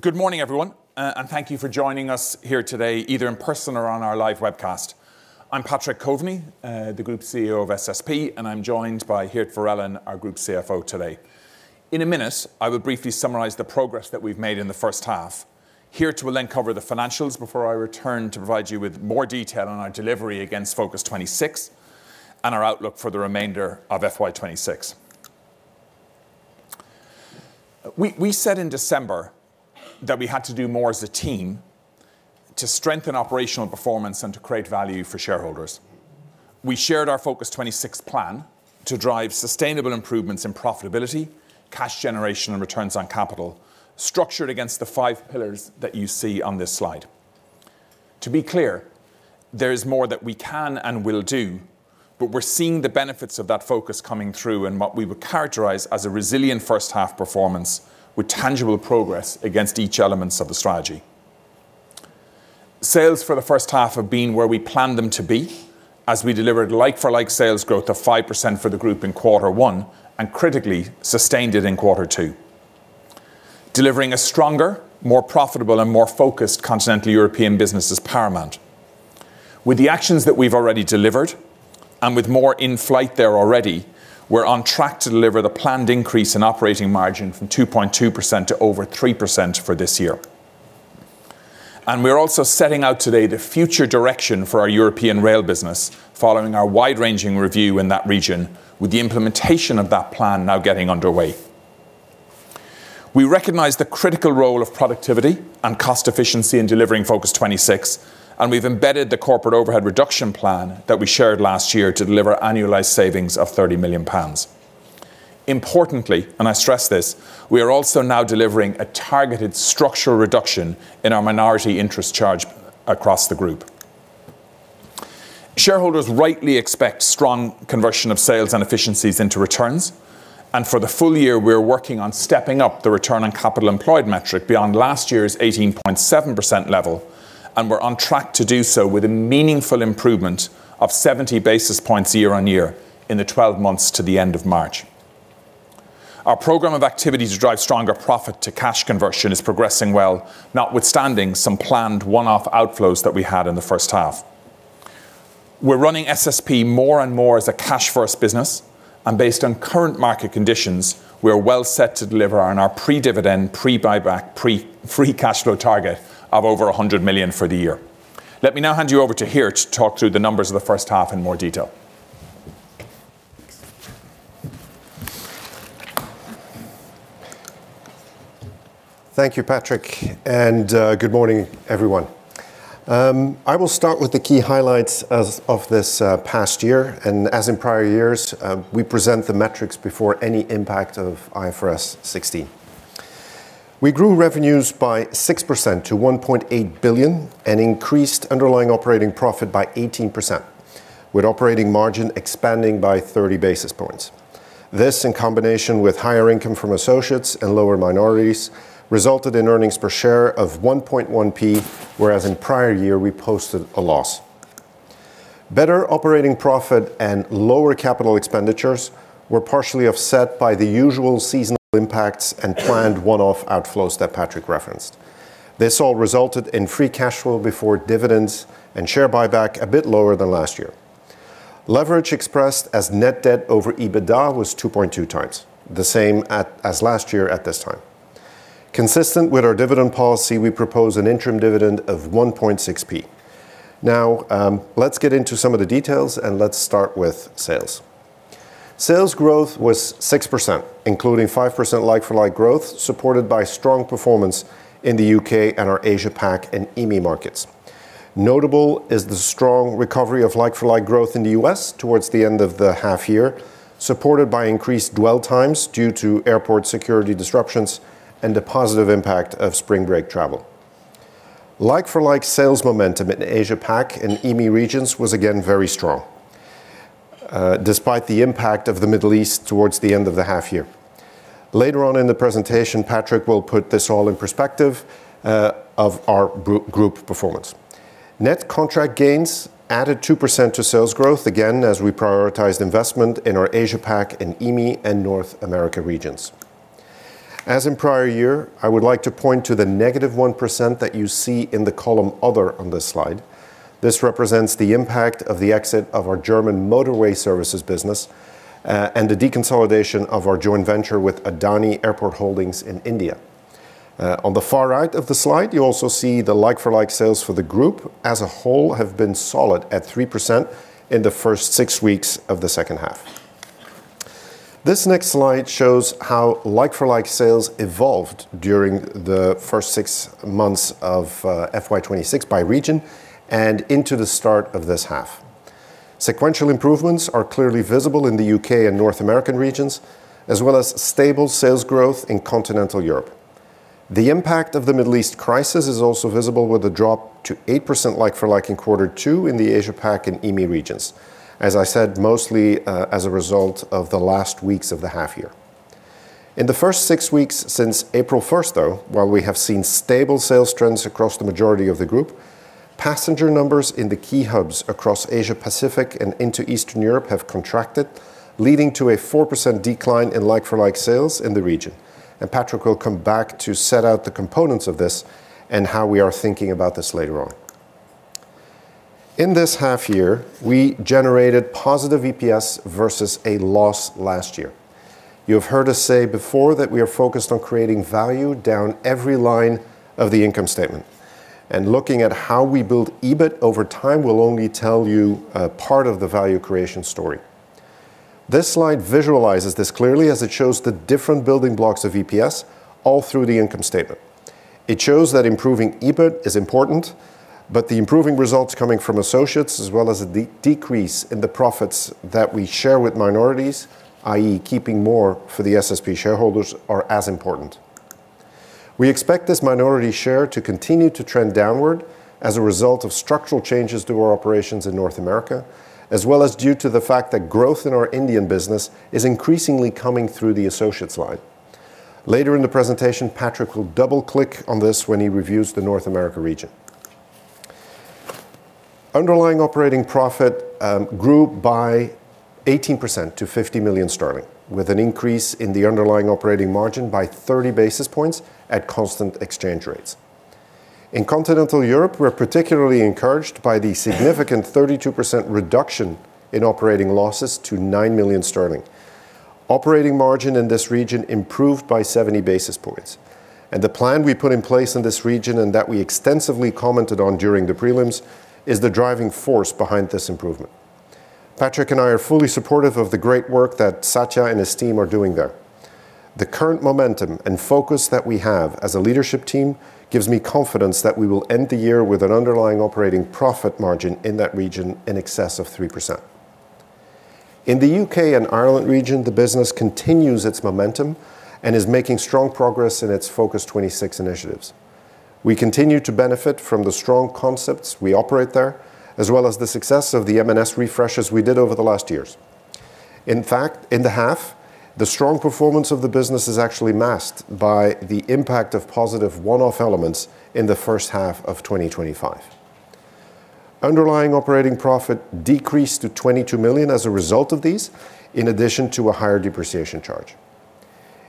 Good morning, everyone, thank you for joining us here today, either in person or on our live webcast. I'm Patrick Coveney, the Group CEO of SSP, and I'm joined by Geert Verellen, our Group CFO today. In a minute, I will briefly summarize the progress that we've made in the first half. Geert will then cover the financials before I return to provide you with more detail on our delivery against Focus '26 and our outlook for the remainder of FY 2026. We said in December that we had to do more as a team to strengthen operational performance and to create value for shareholders. We shared our Focus '26 plan to drive sustainable improvements in profitability, cash generation, and returns on capital structured against the five pillars that you see on this slide. To be clear, there is more that we can and will do, but we are seeing the benefits of that focus coming through in what we would characterize as a resilient first half performance with tangible progress against each elements of the strategy. Sales for the first half have been where we planned them to be, as we delivered like-for-like sales growth of 5% for the group in quarter one and critically sustained it in quarter two. Delivering a stronger, more profitable, and more focused Continental European business is paramount. With the actions that we have already delivered, and with more in flight there already, we are on track to deliver the planned increase in operating margin from 2.2% to over 3% for this year. We're also setting out today the future direction for our European rail business following our wide-ranging review in that region with the implementation of that plan now getting underway. We recognize the critical role of productivity and cost efficiency in delivering Focus '26, and we've embedded the corporate overhead reduction plan that we shared last year to deliver annualized savings of 30 million pounds. Importantly, and I stress this, we are also now delivering a targeted structural reduction in our minority interest charge across the group. Shareholders rightly expect strong conversion of sales and efficiencies into returns. For the full year, we're working on stepping up the return on capital employed metric beyond last year's 18.7% level. We're on track to do so with a meaningful improvement of 70 basis points year-on-year in the 12 months to the end of March. Our program of activity to drive stronger profit to cash conversion is progressing well, notwithstanding some planned one-off outflows that we had in the first half. We're running SSP more and more as a cash first business, and based on current market conditions, we are well set to deliver on our pre-dividend, pre-buyback, pre- free cash flow target of over 100 million for the year. Let me now hand you over to Geert to talk through the numbers of the first half in more detail. Thank you, Patrick. Good morning, everyone. I will start with the key highlights of this past year, and as in prior years, we present the metrics before any impact of IFRS 16. We grew revenues by 6% to 1.8 billion and increased underlying operating profit by 18% with operating margin expanding by 30 basis points. This, in combination with higher income from associates and lower minorities, resulted in earnings per share of 0.011, whereas in prior year, we posted a loss. Better operating profit and lower capital expenditures were partially offset by the usual seasonal impacts and planned one-off outflows that Patrick referenced. This all resulted in free cash flow before dividends and share buyback a bit lower than last year. Leverage expressed as net debt over EBITDA was 2.2 times, the same as last year at this time. Consistent with our dividend policy, we propose an interim dividend of 1.6p. Let's get into some of the details, let's start with sales. Sales growth was 6%, including 5% like-for-like growth, supported by strong performance in the U.K. and our Asia Pac and EMEA markets. Notable is the strong recovery of like-for-like growth in the U.S. towards the end of the half year, supported by increased dwell times due to airport security disruptions and the positive impact of spring break travel. Like-for-like sales momentum in Asia Pac and EMEA regions was again very strong, despite the impact of the Middle East towards the end of the half year. Later on in the presentation, Patrick will put this all in perspective of our group performance. Net contract gains added 2% to sales growth, again, as we prioritized investment in our Asia Pac and EMEA and North America regions. As in prior year, I would like to point to the -1% that you see in the column Other on this slide. This represents the impact of the exit of our German motorway services business and the deconsolidation of our joint venture with Adani Airport Holdings in India. On the far right of the slide, you also see the like-for-like sales for the group as a whole have been solid at 3% in the first six weeks of the second half. This next slide shows how like-for-like sales evolved during the first six months of FY 2026 by region and into the start of this half. Sequential improvements are clearly visible in the U.K. and North American regions, as well as stable sales growth in Continental Europe. The impact of the Middle East crisis is also visible with a drop to 8% like-for-like in Q2 in the Asia-Pac and EMEA regions. As I said, mostly as a result of the last weeks of the half year. In the first six weeks since April first, though, while we have seen stable sales trends across the majority of the group, passenger numbers in the key hubs across Asia-Pacific and into Eastern Europe have contracted, leading to a 4% decline in like-for-like sales in the region. Patrick will come back to set out the components of this and how we are thinking about this later on. In this half year, we generated positive EPS versus a loss last year. You have heard us say before that we are focused on creating value down every line of the income statement, and looking at how we build EBIT over time will only tell you a part of the value creation story. This slide visualizes this clearly as it shows the different building blocks of EPS all through the income statement. It shows that improving EBIT is important, but the improving results coming from associates, as well as the decrease in the profits that we share with minorities, i.e., keeping more for the SSP shareholders, are as important. We expect this minority share to continue to trend downward as a result of structural changes to our operations in North America, as well as due to the fact that growth in our Indian business is increasingly coming through the associate slide. Later in the presentation, Patrick will double-click on this when he reviews the North America region. Underlying operating profit grew by 18% to 50 million sterling, with an increase in the underlying operating margin by 30 basis points at constant exchange rates. In Continental Europe, we're particularly encouraged by the significant 32% reduction in operating losses to 9 million sterling. Operating margin in this region improved by 70 basis points, and the plan we put in place in this region and that we extensively commented on during the prelims is the driving force behind this improvement. Patrick and I are fully supportive of the great work that Satya and his team are doing there. The current momentum and focus that we have as a leadership team gives me confidence that we will end the year with an underlying operating profit margin in that region in excess of 3%. In the U.K. and Ireland region, the business continues its momentum and is making strong progress in its Focus '26 initiatives. We continue to benefit from the strong concepts we operate there, as well as the success of the M&S refreshes we did over the last years. In fact, in the half, the strong performance of the business is actually masked by the impact of positive one-off elements in the first half of 2025. Underlying operating profit decreased to 22 million as a result of these, in addition to a higher depreciation charge.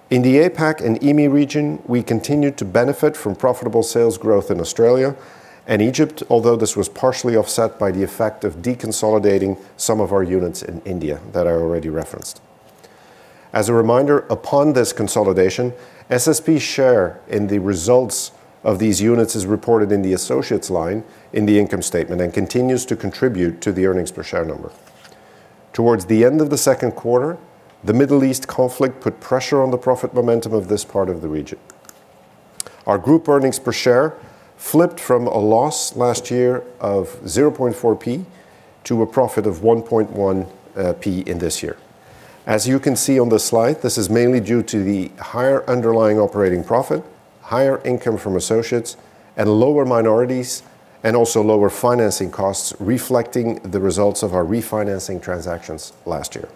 In the APAC and EMEA region, we continued to benefit from profitable sales growth in Australia and Egypt, although this was partially offset by the effect of deconsolidating some of our units in India that I already referenced. As a reminder, upon this consolidation, SSP share in the results of these units is reported in the associates line in the income statement and continues to contribute to the earnings per share number. Towards the end of the second quarter, the Middle East conflict put pressure on the profit momentum of this part of the region. Our group earnings per share flipped from a loss last year of 0.004 to a profit of 0.011 in this year. As you can see on the slide, this is mainly due to the higher underlying operating profit, higher income from associates and lower minorities, and also lower financing costs reflecting the results of our refinancing transactions last year.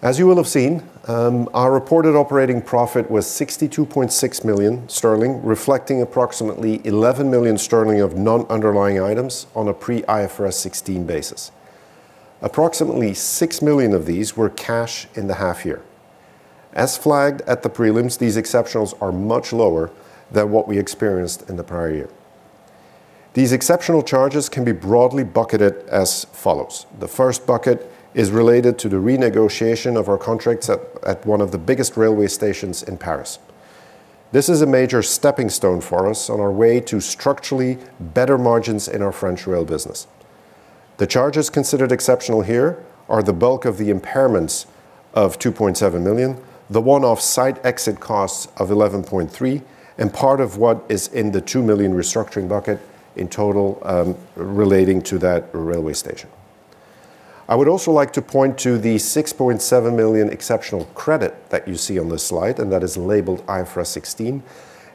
As you will have seen, our reported operating profit was 62.6 million sterling, reflecting approximately 11 million sterling of non-underlying items on a pre-IFRS 16 basis. Approximately 6 million of these were cash in the half year. As flagged at the prelims, these exceptionals are much lower than what we experienced in the prior year. These exceptional charges can be broadly bucketed as follows. The first bucket is related to the renegotiation of our contracts at one of the biggest railway stations in Paris. This is a major stepping stone for us on our way to structurally better margins in our French rail business. The charges considered exceptional here are the bulk of the impairments of 2.7 million, the one-off site exit costs of 11.3 million, and part of what is in the 2 million restructuring bucket in total, relating to that railway station. I would also like to point to the 6.7 million exceptional credit that you see on this slide, and that is labeled IFRS 16,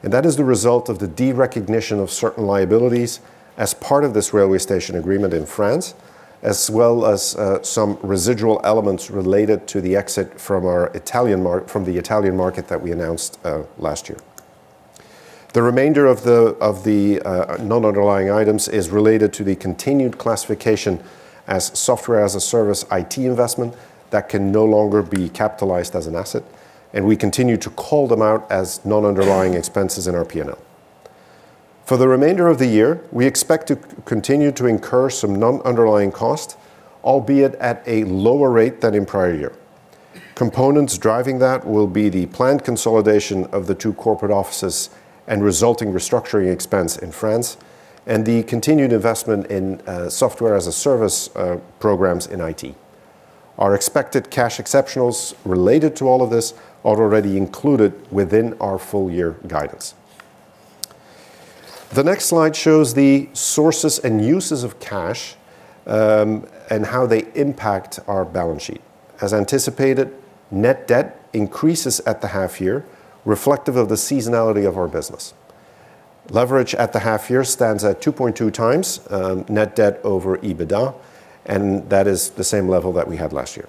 and that is the result of the derecognition of certain liabilities as part of this railway station agreement in France, as well as some residual elements related to the exit from our Italian market that we announced last year. The remainder of the non-underlying items is related to the continued classification as software as a service IT investment that can no longer be capitalized as an asset, and we continue to call them out as non-underlying expenses in our P&L. For the remainder of the year, we expect to continue to incur some non-underlying cost, albeit at a lower rate than in prior year. Components driving that will be the planned consolidation of the two corporate offices and resulting restructuring expense in France and the continued investment in software as a service programs in IT. Our expected cash exceptionals related to all of this are already included within our full year guidance. The next slide shows the sources and uses of cash and how they impact our balance sheet. As anticipated, net debt increases at the half year reflective of the seasonality of our business. Leverage at the half year stands at 2.2 times net debt over EBITDA, and that is the same level that we had last year.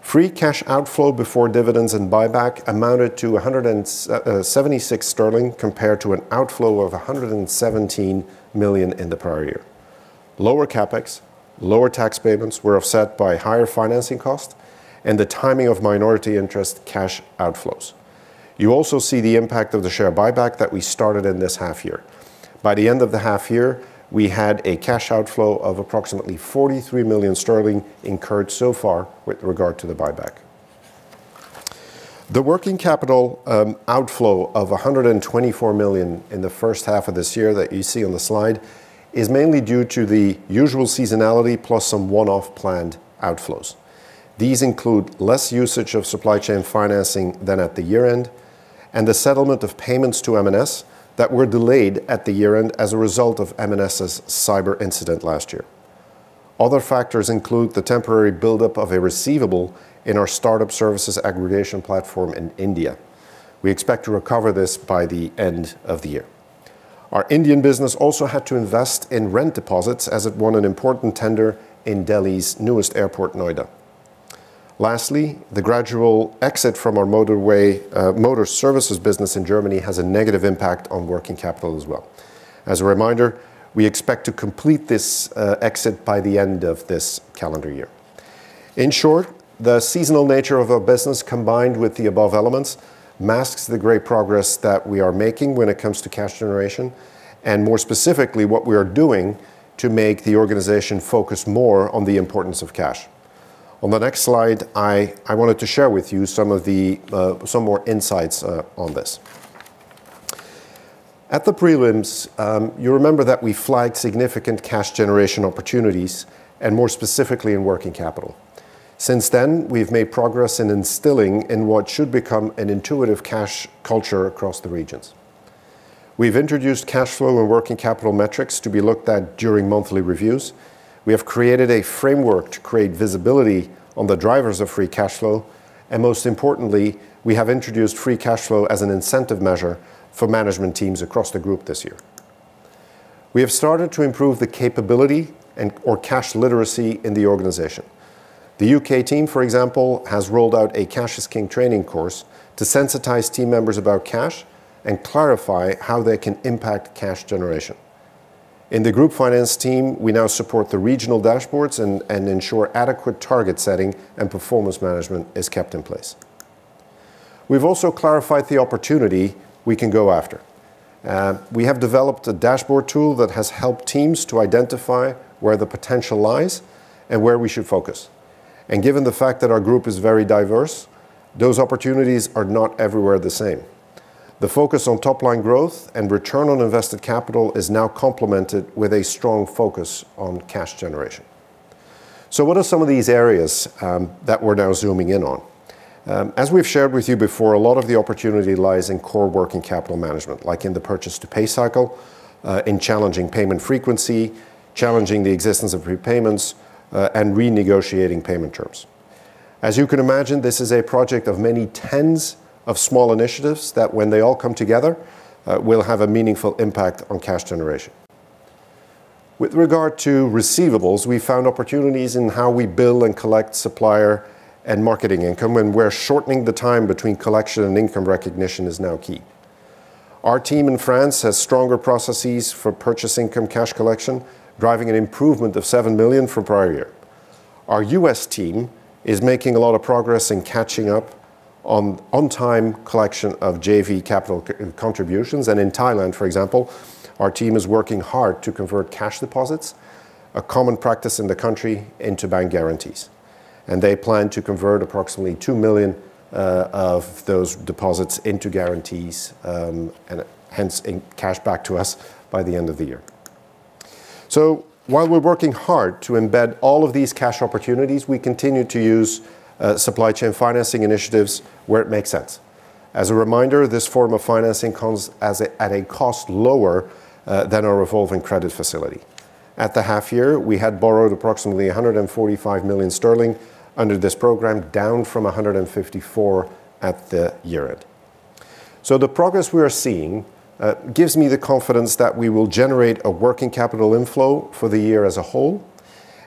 Free cash outflow before dividends and buyback amounted to 176 million sterling compared to an outflow of 117 million in the prior year. Lower CapEx, lower tax payments were offset by higher financing costs and the timing of minority interest cash outflows. You also see the impact of the share buyback that we started in this half year. By the end of the half year, we had a cash outflow of approximately 43 million sterling incurred so far with regard to the buyback. The working capital outflow of 124 million in the first half of this year that you see on the slide is mainly due to the usual seasonality plus some one-off planned outflows. These include less usage of supply chain financing than at the year-end, and the settlement of payments to M&S that were delayed at the year-end as a result of M&S's cyber incident last year. Other factors include the temporary buildup of a receivable in our startup services aggregation platform in India. We expect to recover this by the end of the year. Our Indian business also had to invest in rent deposits as it won an important tender in Delhi's newest airport, Noida. Lastly, the gradual exit from our motorway motor services business in Germany has a negative impact on working capital as well. As a reminder, we expect to complete this exit by the end of this calendar year. In short, the seasonal nature of our business, combined with the above elements, masks the great progress that we are making when it comes to cash generation and more specifically, what we are doing to make the organization focus more on the importance of cash. On the next slide, I wanted to share with you some of the some more insights on this. At the prelims, you remember that we flagged significant cash generation opportunities and more specifically in working capital. Since then, we've made progress in instilling in what should become an intuitive cash culture across the regions. We've introduced cash flow and working capital metrics to be looked at during monthly reviews. We have created a framework to create visibility on the drivers of free cash flow. Most importantly, we have introduced free cash flow as an incentive measure for management teams across the group this year. We have started to improve the capability or cash literacy in the organization. The U.K. team, for example, has rolled out a Cash is King training course to sensitize team members about cash and clarify how they can impact cash generation. In the group finance team, we now support the regional dashboards and ensure adequate target setting and performance management is kept in place. We've also clarified the opportunity we can go after. We have developed a dashboard tool that has helped teams to identify where the potential lies and where we should focus. Given the fact that our group is very diverse, those opportunities are not everywhere the same. The focus on top-line growth and return on invested capital is now complemented with a strong focus on cash generation. What are some of these areas that we're now zooming in on? As we've shared with you before, a lot of the opportunity lies in core working capital management, like in the purchase-to-pay cycle, in challenging payment frequency, challenging the existence of repayments, and renegotiating payment terms. As you can imagine, this is a project of many tens of small initiatives that when they all come together, will have a meaningful impact on cash generation. With regard to receivables, we found opportunities in how we bill and collect supplier and marketing income, and where shortening the time between collection and income recognition is now key. Our team in France has stronger processes for purchase income cash collection, driving an improvement of 7 million from prior year. Our U.S. team is making a lot of progress in catching up on on-time collection of JV capital contributions. In Thailand, for example, our team is working hard to convert cash deposits, a common practice in the country, into bank guarantees, and they plan to convert approximately 2 million of those deposits into guarantees and hence in cash back to us by the end of the year. While we're working hard to embed all of these cash opportunities, we continue to use supply chain financing initiatives where it makes sense. As a reminder, this form of financing comes at a cost lower than our revolving credit facility. At the half year, we had borrowed approximately 145 million sterling under this program, down from 154 at the year-end. The progress we are seeing gives me the confidence that we will generate a working capital inflow for the year as a whole,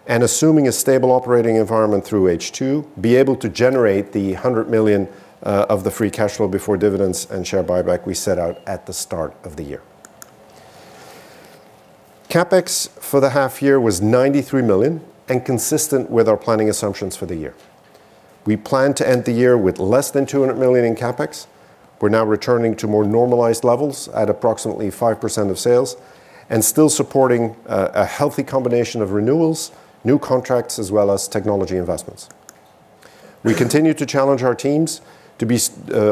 and assuming a stable operating environment through H2, be able to generate the 100 million of the free cash flow before dividends and share buyback we set out at the start of the year. CapEx for the half year was 93 million and consistent with our planning assumptions for the year. We plan to end the year with less than 200 million in CapEx. We're now returning to more normalized levels at approximately 5% of sales and still supporting a healthy combination of renewals, new contracts, as well as technology investments. We continue to challenge our teams to be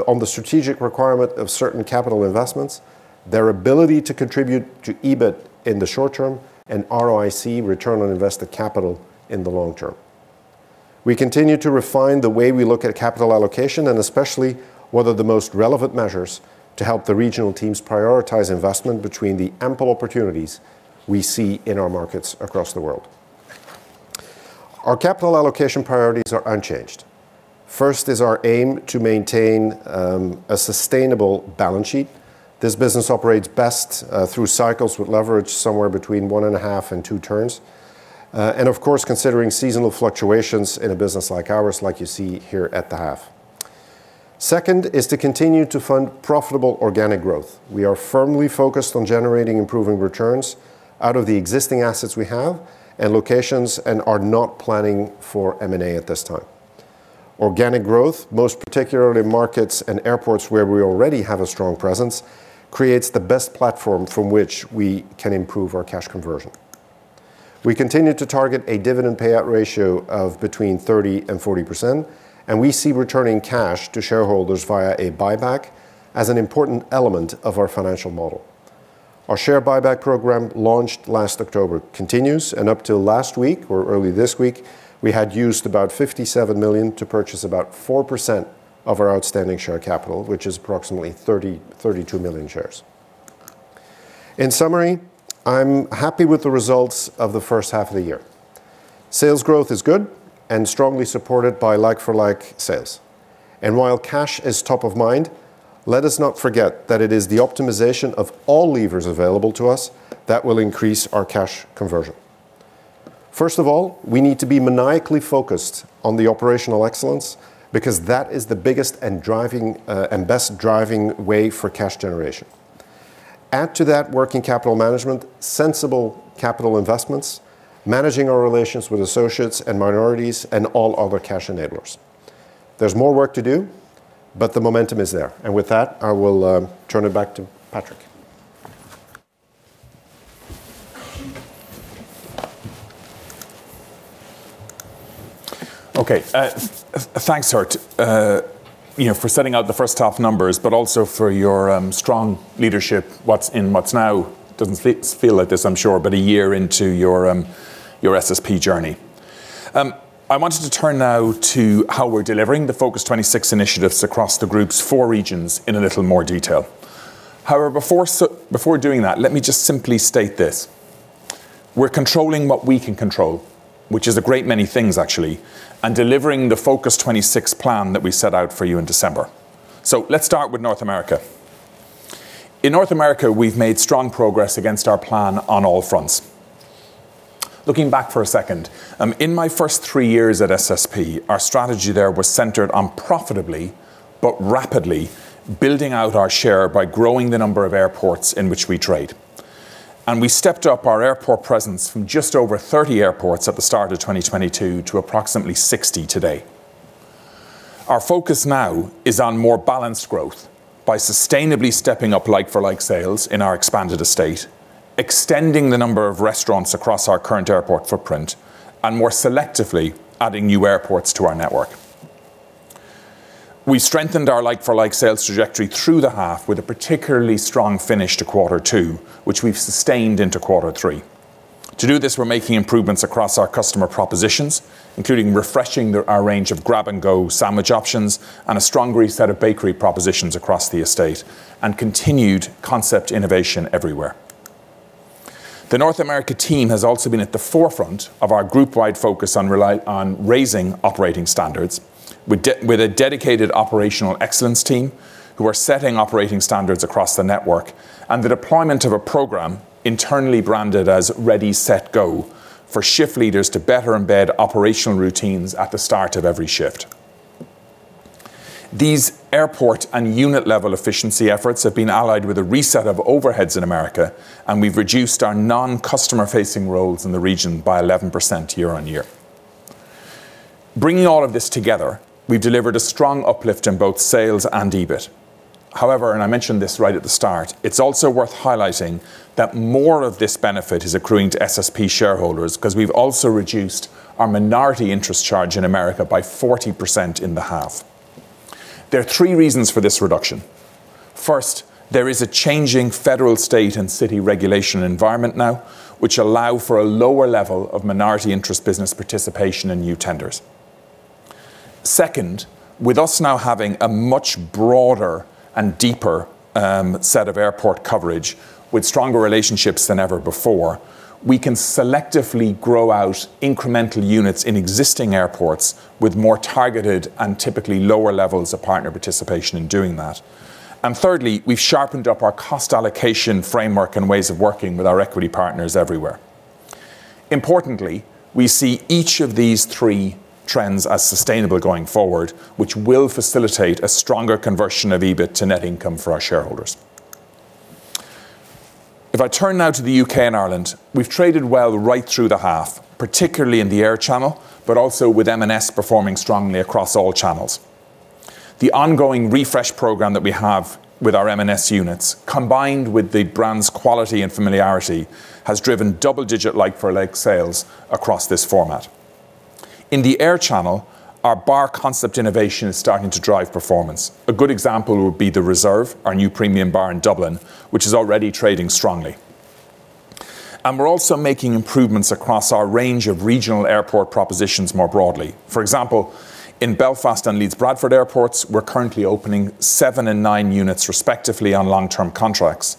on the strategic requirement of certain capital investments, their ability to contribute to EBIT in the short term and ROIC, return on invested capital, in the long term. We continue to refine the way we look at capital allocation and especially what are the most relevant measures to help the regional teams prioritize investment between the ample opportunities we see in our markets across the world. Our capital allocation priorities are unchanged. First is our aim to maintain a sustainable balance sheet. This business operates best through cycles with leverage somewhere between 1.5-2 turns. Of course, considering seasonal fluctuations in a business like ours, like you see here at the half. Second is to continue to fund profitable organic growth. We are firmly focused on generating improving returns out of the existing assets we have and locations and are not planning for M&A at this time. Organic growth, most particularly markets and airports where we already have a strong presence, creates the best platform from which we can improve our cash conversion. We continue to target a dividend payout ratio of between 30% and 40%. We see returning cash to shareholders via a buyback as an important element of our financial model. Our share buyback program, launched last October, continues. Up till last week or early this week, we had used about 57 million to purchase about 4% of our outstanding share capital, which is approximately 30-32 million shares. In summary, I'm happy with the results of the first half of the year. Sales growth is good and strongly supported by like-for-like sales. While cash is top of mind, let us not forget that it is the optimization of all levers available to us that will increase our cash conversion. First of all, we need to be maniacally focused on the operational excellence because that is the biggest and driving and best driving way for cash generation. Add to that working capital management, sensible capital investments, managing our relations with associates and minorities and all other cash enablers. There's more work to do, but the momentum is there. With that, I will turn it back to Patrick. Okay. Thanks, Geert, you know, for setting out the first half numbers, but also for your strong leadership. Doesn't feel like this, I'm sure, but a year into your SSP journey. I wanted to turn now to how we're delivering the Focus '26 initiatives across the group's four regions in a little more detail. However, before doing that, let me just simply state this. We're controlling what we can control, which is a great many things actually, and delivering the Focus '26 plan that we set out for you in December. Let's start with North America. In North America, we've made strong progress against our plan on all fronts. Looking back for a second, in my first three years at SSP, our strategy there was centered on profitably, but rapidly building out our share by growing the number of airports in which we trade. We stepped up our airport presence from just over 30 airports at the start of 2022 to approximately 60 today. Our focus now is on more balanced growth by sustainably stepping up like-for-like sales in our expanded estate, extending the number of restaurants across our current airport footprint, and more selectively adding new airports to our network. We strengthened our like-for-like sales trajectory through the half with a particularly strong finish to quarter two, which we've sustained into quarter three. To do this, we're making improvements across our customer propositions, including refreshing our range of grab-and-go sandwich options and a stronger set of bakery propositions across the estate and continued concept innovation everywhere. The North America team has also been at the forefront of our group-wide focus on raising operating standards with a dedicated operational excellence team who are setting operating standards across the network and the deployment of a program internally branded as Ready, Set, Go for shift leaders to better embed operational routines at the start of every shift. These airport and unit-level efficiency efforts have been allied with a reset of overheads in America, and we've reduced our non-customer facing roles in the region by 11% year-on-year. Bringing all of this together, we've delivered a strong uplift in both sales and EBIT. I mentioned this right at the start, it's also worth highlighting that more of this benefit is accruing to SSP shareholders because we've also reduced our minority interest charge in the U.S. by 40% in the half. There are three reasons for this reduction. First, there is a changing federal, state, and city regulation environment now, which allow for a lower level of minority interest business participation in new tenders. Second, with us now having a much broader and deeper set of airport coverage with stronger relationships than ever before, we can selectively grow out incremental units in existing airports with more targeted and typically lower levels of partner participation in doing that. Thirdly, we've sharpened up our cost allocation framework and ways of working with our equity partners everywhere. We see each of these three trends as sustainable going forward, which will facilitate a stronger conversion of EBIT to net income for our shareholders. If I turn now to the U.K. and Ireland, we've traded well right through the half, particularly in the air channel, but also with M&S performing strongly across all channels. The ongoing refresh program that we have with our M&S units, combined with the brand's quality and familiarity, has driven double-digit like-for-like sales across this format. In the air channel, our bar concept innovation is starting to drive performance. A good example would be The Reserve, our new premium bar in Dublin, which is already trading strongly. We're also making improvements across our range of regional airport propositions more broadly. For example, in Belfast and Leeds Bradford airports, we're currently opening seven and nine units respectively on long-term contracts.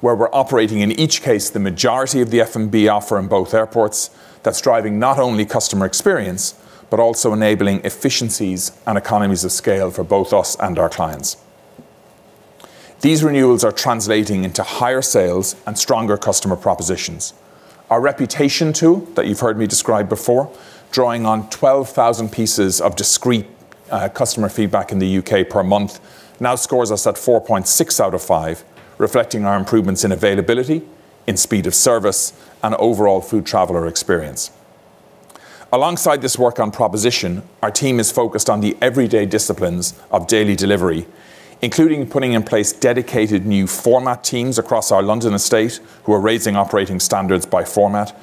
Where we're operating in each case, the majority of the F&B offer in both airports, that's driving not only customer experience, but also enabling efficiencies and economies of scale for both us and our clients. These renewals are translating into higher sales and stronger customer propositions. Our reputation too, that you've heard me describe before, drawing on 12,000 pieces of discrete customer feedback in the U.K. per month, now scores us at 4.6 out of five, reflecting our improvements in availability, in speed of service, and overall food traveler experience. Alongside this work on proposition, our team is focused on the everyday disciplines of daily delivery, including putting in place dedicated new format teams across our London estate who are raising operating standards by format,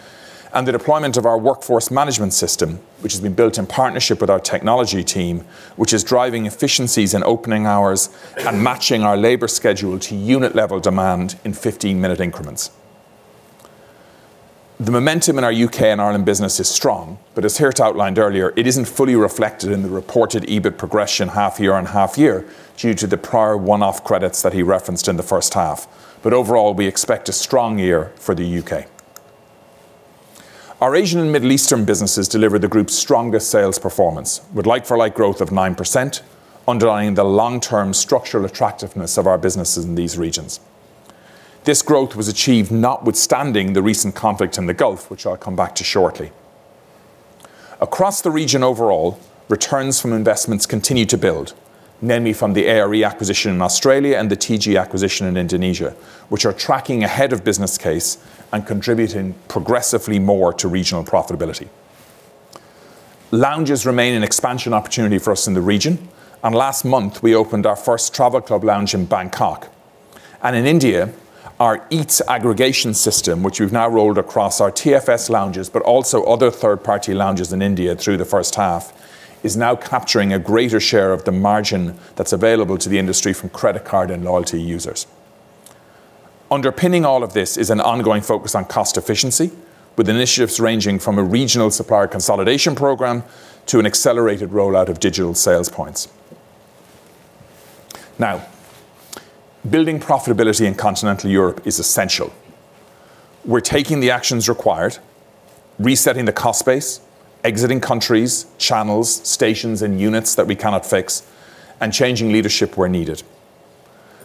and the deployment of our workforce management system, which has been built in partnership with our technology team, which is driving efficiencies in opening hours and matching our labor schedule to unit-level demand in 15-minute increments. The momentum in our U.K. and Ireland business is strong, but as Geert outlined earlier, it isn't fully reflected in the reported EBIT progression half year and half year due to the prior one-off credits that he referenced in the first half. Overall, we expect a strong year for the U.K. Our Asian and Middle Eastern businesses deliver the group's strongest sales performance with like-for-like growth of 9%, underlying the long-term structural attractiveness of our businesses in these regions. This growth was achieved notwithstanding the recent conflict in the Gulf, which I'll come back to shortly. Across the region overall, returns from investments continue to build, namely from the ARE acquisition in Australia and the TG acquisition in Indonesia, which are tracking ahead of business case and contributing progressively more to regional profitability. Lounges remain an expansion opportunity for us in the region, and last month, we opened our first Travel Club Lounge in Bangkok. In India, our EATS aggregation system, which we've now rolled across our TFS lounges, but also other third-party lounges in India through the first half, is now capturing a greater share of the margin that's available to the industry from credit card and loyalty users. Underpinning all of this is an ongoing focus on cost efficiency, with initiatives ranging from a regional supplier consolidation program to an accelerated rollout of digital sales points. Building profitability in Continental Europe is essential. We're taking the actions required, resetting the cost base, exiting countries, channels, stations, and units that we cannot fix, and changing leadership where needed.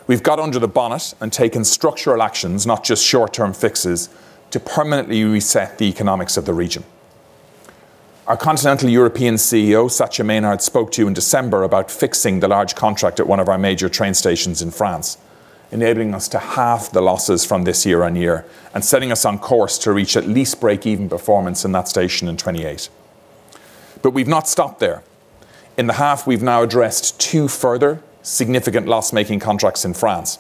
We've got under the bonnet and taken structural actions, not just short-term fixes, to permanently reset the economics of the region. Our Continental European CEO, Satya Menard, spoke to you in December about fixing the large contract at one of our major train stations in France, enabling us to half the losses from this year-on-year and setting us on course to reach at least break-even performance in that station in 2028. We've not stopped there. In the half, we've now addressed two further significant loss-making contracts in France.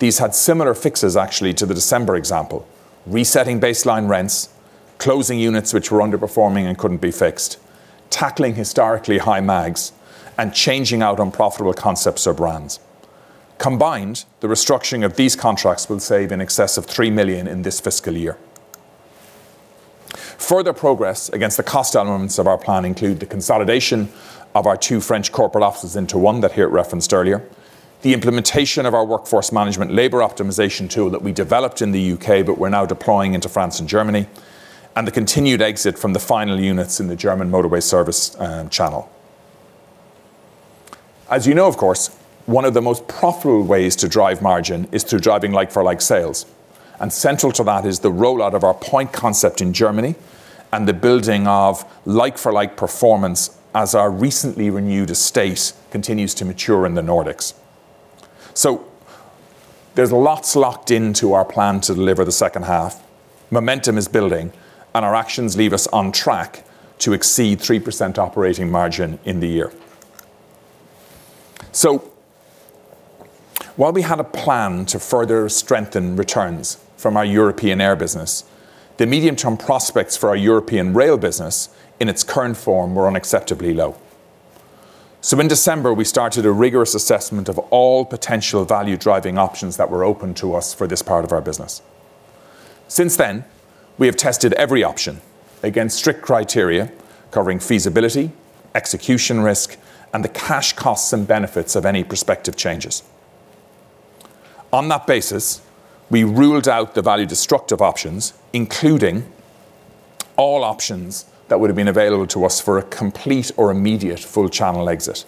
These had similar fixes, actually, to the December example: resetting baseline rents, closing units which were underperforming and couldn't be fixed, tackling historically high MAGs, and changing out unprofitable concepts or brands. Combined, the restructuring of these contracts will save in excess of 3 million in this fiscal year. Further progress against the cost elements of our plan include the consolidation of our two French corporate offices into one that Geert referenced earlier, the implementation of our workforce management labor optimization tool that we developed in the U.K., but we're now deploying into France and Germany, and the continued exit from the final units in the German motorway service channel. As you know, of course, one of the most profitable ways to drive margin is through driving like-for-like sales, and central to that is the rollout of our Point concept in Germany and the building of like-for-like performance as our recently renewed estate continues to mature in the Nordics. There's lots locked into our plan to deliver the second half. Momentum is building, and our actions leave us on track to exceed 3% operating margin in the year. While we had a plan to further strengthen returns from our European air business, the medium-term prospects for our European rail business in its current form were unacceptably low. In December, we started a rigorous assessment of all potential value-driving options that were open to us for this part of our business. Since then, we have tested every option against strict criteria covering feasibility, execution risk, and the cash costs and benefits of any prospective changes. On that basis, we ruled out the value-destructive options, including all options that would have been available to us for a complete or immediate full channel exit.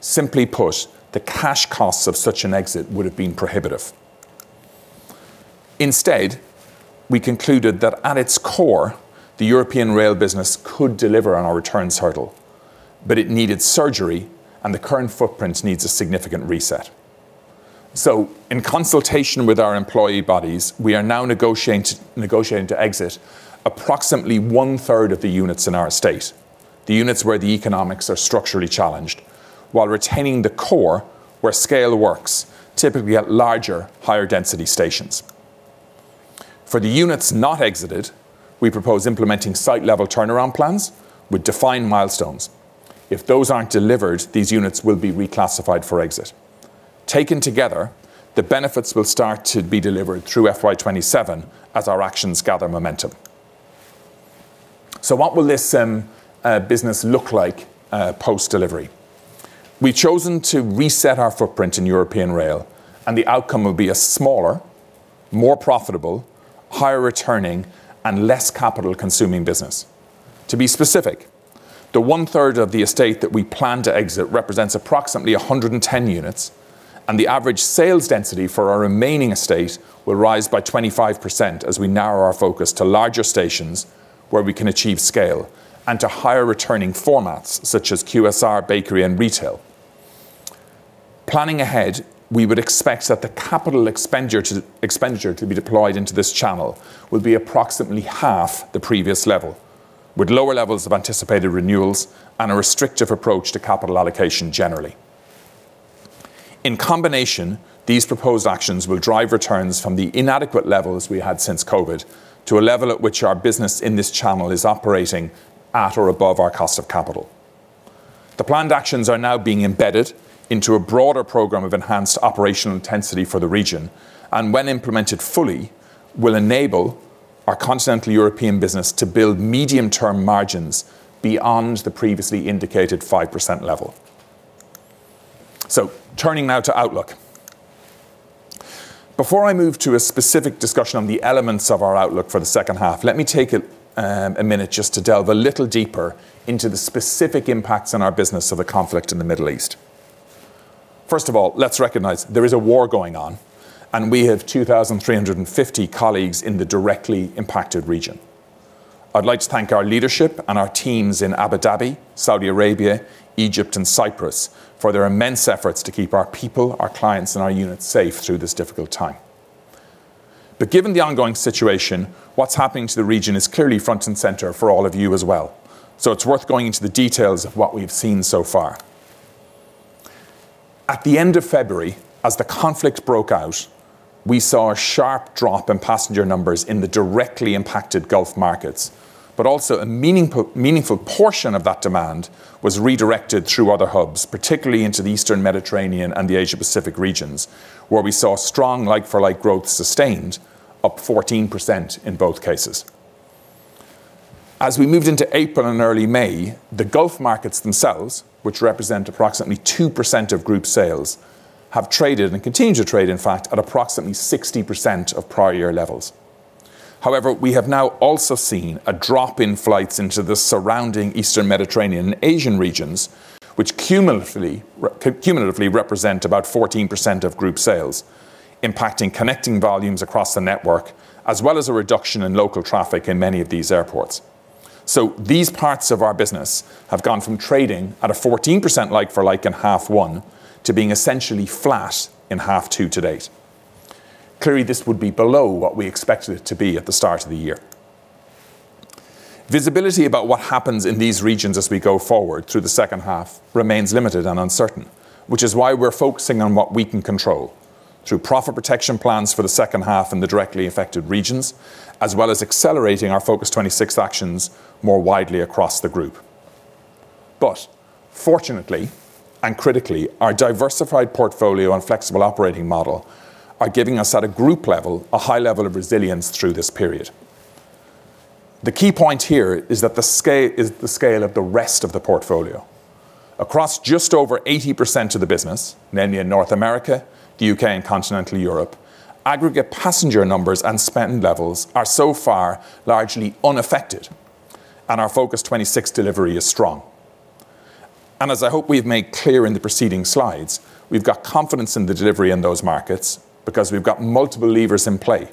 Simply put, the cash costs of such an exit would have been prohibitive. Instead, we concluded that at its core, the European rail business could deliver on our returns hurdle, but it needed surgery and the current footprint needs a significant reset. In consultation with our employee bodies, we are now negotiating to exit approximately one-third of the units in our estate, the units where the economics are structurally challenged, while retaining the core where scale works, typically at larger, higher density stations. For the units not exited, we propose implementing site-level turnaround plans with defined milestones. If those aren't delivered, these units will be reclassified for exit. Taken together, the benefits will start to be delivered through FY 2027 as our actions gather momentum. What will this business look like post-delivery? We've chosen to reset our footprint in European rail, the outcome will be a smaller, more profitable, higher returning, and less capital-consuming business. To be specific, the one-third of the estate that we plan to exit represents approximately 110 units, and the average sales density for our remaining estate will rise by 25% as we narrow our focus to larger stations where we can achieve scale and to higher returning formats such as QSR, bakery, and retail. Planning ahead, we would expect that the capital expenditure to be deployed into this channel will be approximately half the previous level, with lower levels of anticipated renewals and a restrictive approach to capital allocation generally. In combination, these proposed actions will drive returns from the inadequate levels we had since COVID to a level at which our business in this channel is operating at or above our cost of capital. The planned actions are now being embedded into a broader program of enhanced operational intensity for the region, and when implemented fully, will enable our Continental European business to build medium-term margins beyond the previously indicated 5% level. Turning now to outlook. Before I move to a specific discussion on the elements of our outlook for the second half, let me take a minute just to delve a little deeper into the specific impacts on our business of the conflict in the Middle East. First of all, let's recognize there is a war going on, and we have 2,350 colleagues in the directly impacted region. I'd like to thank our leadership and our teams in Abu Dhabi, Saudi Arabia, Egypt, and Cyprus for their immense efforts to keep our people, our clients, and our units safe through this difficult time. Given the ongoing situation, what's happening to the region is clearly front and center for all of you as well, so it's worth going into the details of what we've seen so far. At the end of February, as the conflict broke out, we saw a sharp drop in passenger numbers in the directly impacted Gulf markets, also a meaningful portion of that demand was redirected through other hubs, particularly into the Eastern Mediterranean and the Asia Pacific regions, where we saw strong like-for-like growth sustained, up 14% in both cases. As we moved into April and early May, the Gulf markets themselves, which represent approximately 2% of group sales, have traded and continue to trade, in fact, at approximately 60% of prior year levels. We have now also seen a drop in flights into the surrounding Eastern Mediterranean and Asian regions, which cumulatively represent about 14% of group sales, impacting connecting volumes across the network, as well as a reduction in local traffic in many of these airports. These parts of our business have gone from trading at a 14% like-for-like in half one to being essentially flat in half two to date. This would be below what we expected it to be at the start of the year. Visibility about what happens in these regions as we go forward through the second half remains limited and uncertain, which is why we're focusing on what we can control through profit protection plans for the second half in the directly affected regions, as well as accelerating our Focus '26 actions more widely across the group. Fortunately, and critically, our diversified portfolio and flexible operating model are giving us, at a group level, a high level of resilience through this period. The key point here is the scale of the rest of the portfolio. Across just over 80% of the business, mainly in North America, the U.K., and Continental Europe, aggregate passenger numbers and spend levels are so far largely unaffected, our Focus '26 delivery is strong. As I hope we've made clear in the preceding slides, we've got confidence in the delivery in those markets because we've got multiple levers in play,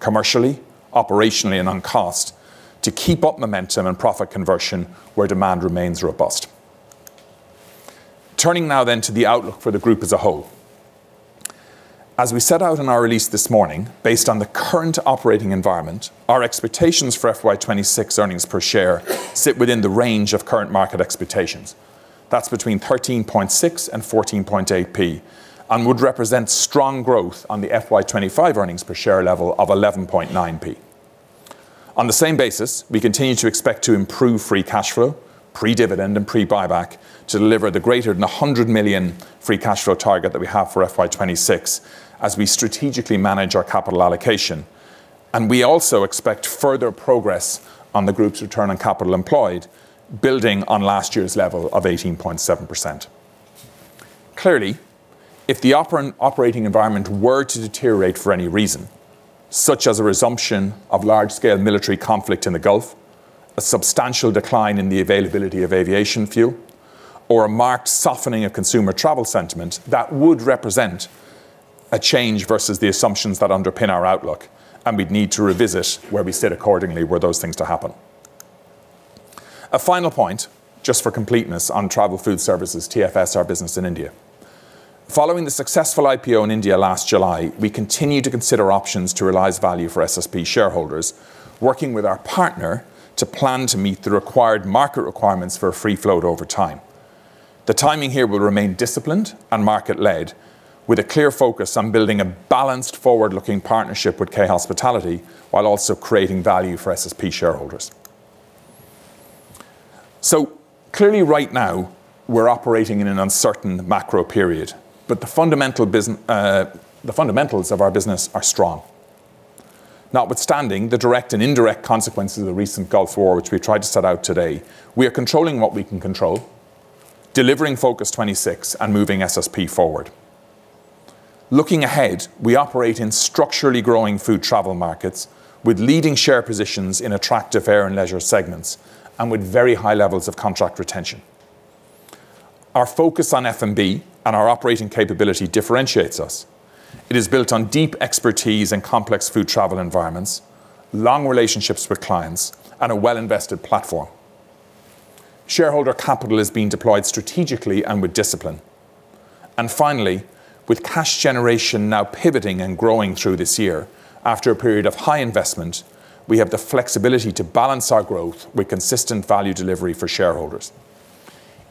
commercially, operationally, and on cost to keep up momentum and profit conversion where demand remains robust. Turning now then to the outlook for the group as a whole. As we set out in our release this morning, based on the current operating environment, our expectations for FY 2026 earnings per share sit within the range of current market expectations. That's between 0.136 and 0.148 and would represent strong growth on the FY 2025 earnings per share level of 0.119. On the same basis, we continue to expect to improve free cash flow, pre-dividend, and pre-buyback to deliver the greater than 100 million free cash flow target that we have for FY 2026 as we strategically manage our capital allocation. We also expect further progress on the group's return on capital employed, building on last year's level of 18.7%. Clearly, if the operating environment were to deteriorate for any reason, such as a resumption of large-scale military conflict in the Gulf, a substantial decline in the availability of aviation fuel, or a marked softening of consumer travel sentiment, that would represent a change versus the assumptions that underpin our outlook, and we'd need to revisit where we sit accordingly were those things to happen. A final point, just for completeness, on Travel Food Services, TFS, our business in India. Following the successful IPO in India last July, we continue to consider options to realize value for SSP shareholders, working with our partner to plan to meet the required market requirements for a free float over time. The timing here will remain disciplined and market-led, with a clear focus on building a balanced forward-looking partnership with K Hospitality while also creating value for SSP shareholders. Clearly right now we're operating in an uncertain macro period, but the fundamentals of our business are strong. Notwithstanding the direct and indirect consequences of the recent Gulf War, which we tried to set out today, we are controlling what we can control, delivering Focus '26, and moving SSP forward. Looking ahead, we operate in structurally growing food travel markets with leading share positions in attractive air and leisure segments, and with very high levels of contract retention. Our focus on F&B and our operating capability differentiates us. It is built on deep expertise in complex food travel environments, long relationships with clients, and a well-invested platform. Shareholder capital is being deployed strategically and with discipline. Finally, with cash generation now pivoting and growing through this year, after a period of high investment, we have the flexibility to balance our growth with consistent value delivery for shareholders.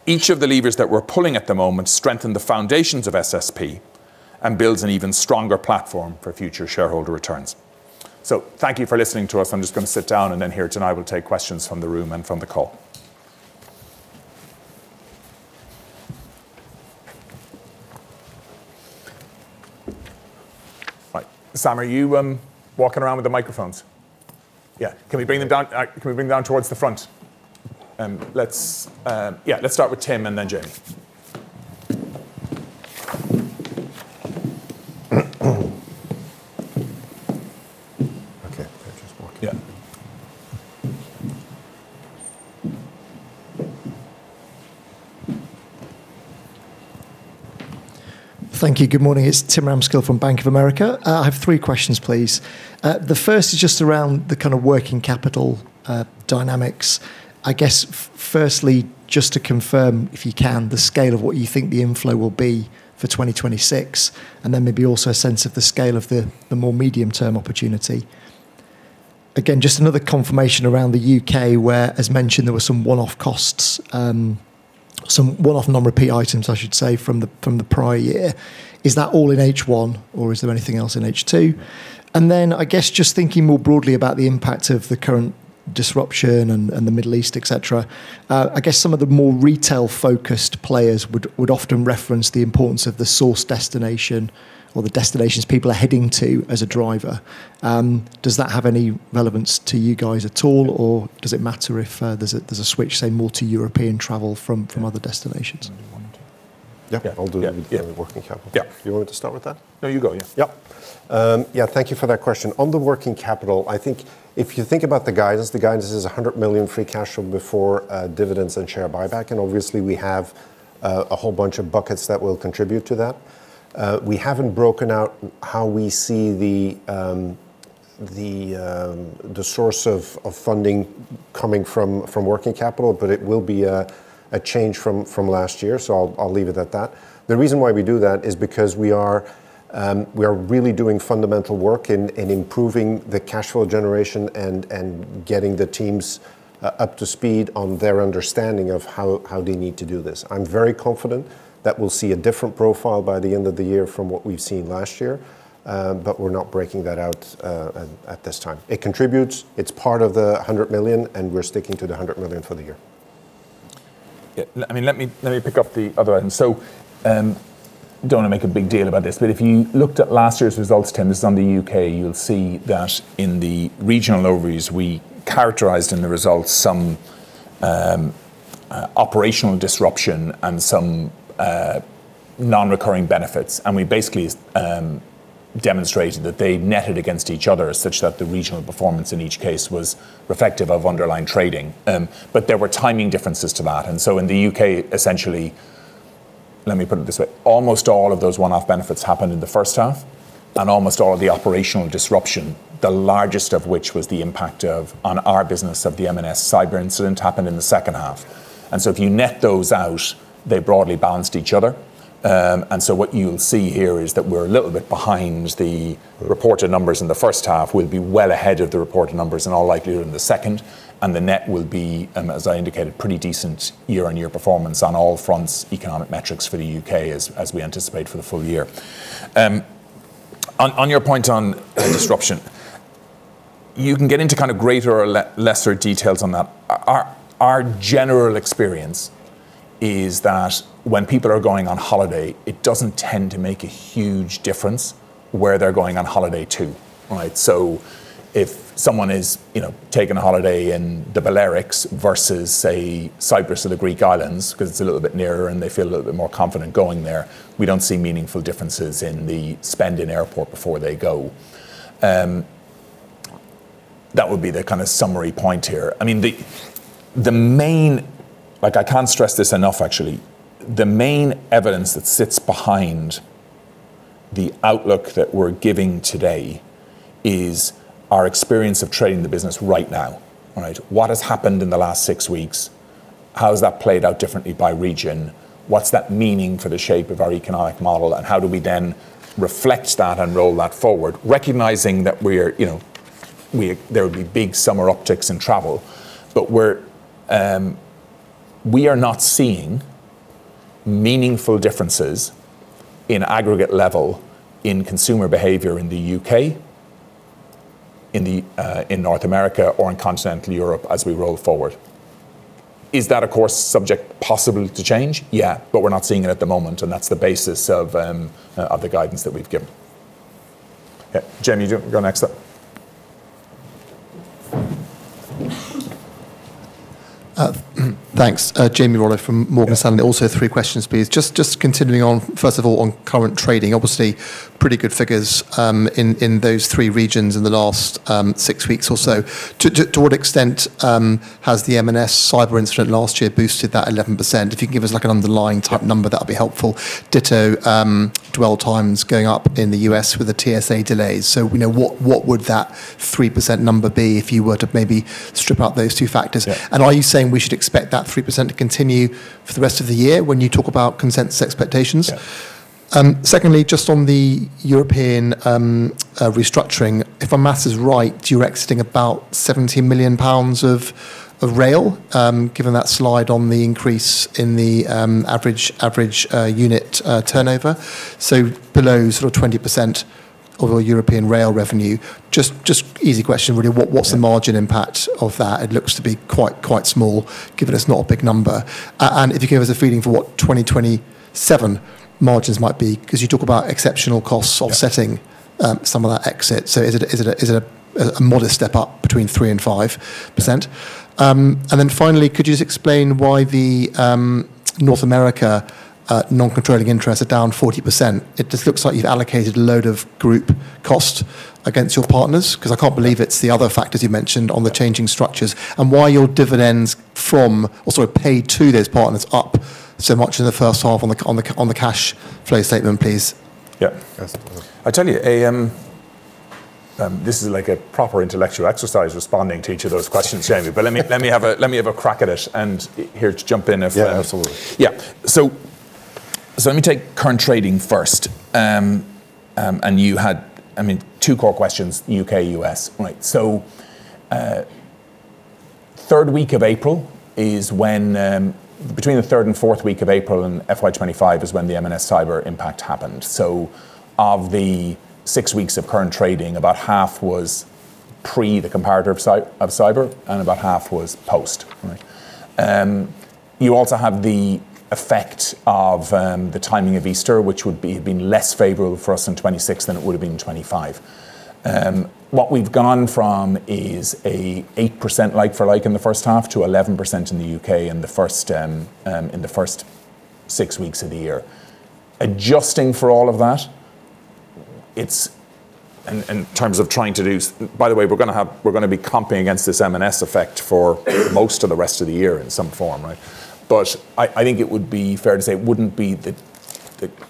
Each of the levers that we're pulling at the moment strengthen the foundations of SSP Group and builds an even stronger platform for future shareholder returns. Thank you for listening to us. I'm just gonna sit down, and then Geert, I will take questions from the room and from the call. Right. Sam, are you walking around with the microphones? Yeah. Can we bring them down towards the front? Yeah, let's start with Tim and then Jamie. Okay. They're just walking. Yeah. Thank you. Good morning. It's Tim Ramskill from Bank of America. I have three questions, please. The first is just around the kind of working capital dynamics. I guess firstly, just to confirm, if you can, the scale of what you think the inflow will be for 2026, and then maybe also a sense of the scale of the more medium-term opportunity. Again, just another confirmation around the U.K. where, as mentioned, there were some one-off costs, some one-off non-repeat items, I should say, from the prior year. Is that all in H1 or is there anything else in H2? I guess just thinking more broadly about the impact of the current disruption and the Middle East, et cetera, I guess some of the more retail-focused players would often reference the importance of the source destination or the destinations people are heading to as a driver. Does that have any relevance to you guys at all, or does it matter if there's a switch, say, more to European travel from other destinations? Do you want me to? Yeah. I'll do the the working capital. Yeah. You want me to start with that? No, you go. Yeah. Yeah, thank you for that question. On the working capital, I think if you think about the guidance, the guidance is 100 million free cash flow before dividends and share buyback. Obviously we have a whole bunch of buckets that will contribute to that. We haven't broken out how we see the source of funding coming from working capital, but it will be a change from last year, so I'll leave it at that. The reason why we do that is because we are really doing fundamental work in improving the cash flow generation and getting the teams up to speed on their understanding of how they need to do this. I'm very confident that we'll see a different profile by the end of the year from what we've seen last year, but we're not breaking that out at this time. It contributes. It's part of the 100 million, and we're sticking to the 100 million for the year. Yeah. I mean, let me pick up the other item. Don't want to make a big deal about this, but if you looked at last year's results, Tim, this is on the U.K., you'll see that in the regional overview is we characterized in the results some operational disruption and some non-recurring benefits, and we basically demonstrated that they netted against each other such that the regional performance in each case was reflective of underlying trading. There were timing differences to that, in the U.K., essentially, let me put it this way, almost all of those one-off benefits happened in the first half, and almost all of the operational disruption, the largest of which was the impact of, on our business, of the M&S cyber incident, happened in the second half. If you net those out, they broadly balanced each other. What you'll see here is that we're a little bit behind the reported numbers in the first half. We'll be well ahead of the reported numbers in all likelihood in the second, and the net will be, as I indicated, pretty decent year-on-year performance on all fronts, economic metrics for the U.K. as we anticipate for the full year. On your point on disruption, you can get into kind of greater or lesser details on that. Our general experience is that when people are going on holiday, it doesn't tend to make a huge difference where they're going on holiday to, right? If someone is, you know, taking a holiday in the Balearics versus, say, Cyprus or the Greek Islands, 'cause it's a little bit nearer and they feel a little bit more confident going there, we don't see meaningful differences in the spend in airport before they go. That would be the kind of summary point here. I mean, the main Like, I can't stress this enough, actually. The main evidence that sits behind the outlook that we're giving today is our experience of trading the business right now, right? What has happened in the last six weeks? How has that played out differently by region? What's that meaning for the shape of our economic model, and how do we then reflect that and roll that forward, recognizing that we're, you know, there will be big summer optics in travel. We're we are not seeing meaningful differences in aggregate level in consumer behavior in the U.K., North America or in continental Europe as we roll forward. Is that of course, subject possibly to change? Yeah, we're not seeing it at the moment, and that's the basis of the guidance that we've given. Yeah. Jamie, do you want to go next up? Thanks. Jamie Rollo from Morgan Stanley. Yeah. Also three questions, please. Just continuing on, first of all on current trading, obviously pretty good figures in those three regions in the last six weeks or so. To what extent has the M&S cyber incident last year boosted that 11%? If you can give us like an underlying type number that would be helpful. Ditto, dwell times going up in the U.S. with the TSA delays. You know, what would that 3% number be if you were to maybe strip out those two factors? Yeah. Are you saying we should expect that 3% to continue for the rest of the year when you talk about consensus expectations? Yeah. Secondly, just on the European restructuring, if my math is right, you're exiting about 70 million pounds of rail, given that slide on the increase in the average unit turnover, so below sort of 20% of your European rail revenue. Easy question really. What's the margin impact of that? It looks to be quite small given it's not a big number. If you could give us a feeling for what 2027 margins might be, 'cause you talk about exceptional costs offsetting some of that exit. Is it a modest step up between 3% and 5%? Finally, could you just explain why the North America non-controlling interests are down 40%? It just looks like you've allocated a load of group cost against your partners, 'cause I can't believe it's the other factors you mentioned on the changing structures. Why your dividends from or sorry, paid to those partners up so much in the first half on the cash flow statement, please. Yeah. Yes, please. I tell you, this is like a proper intellectual exercise responding to each of those questions, Jamie. Let me have a crack at it. Geert, to jump in. Yeah, absolutely. Yeah. Let me take current trading first. You had, I mean, two core questions, U.K., U.S., right? Third week of April is when between the third and fourth week of April in FY 2025 is when the M&S cyber impact happened. Of the six weeks of current trading, about half was pre the comparator of cyber and about half was post. Right. You also have the effect of the timing of Easter, which would've been less favorable for us in 2026 than it would've been in 2025. What we've gone from is a 8% like-for-like in the first half to 11% in the U.K. in the first six weeks of the year. Adjusting for all of that, by the way, we're gonna be comping against this M&S effect for most of the rest of the year in some form, right? I think it would be fair to say it wouldn't be the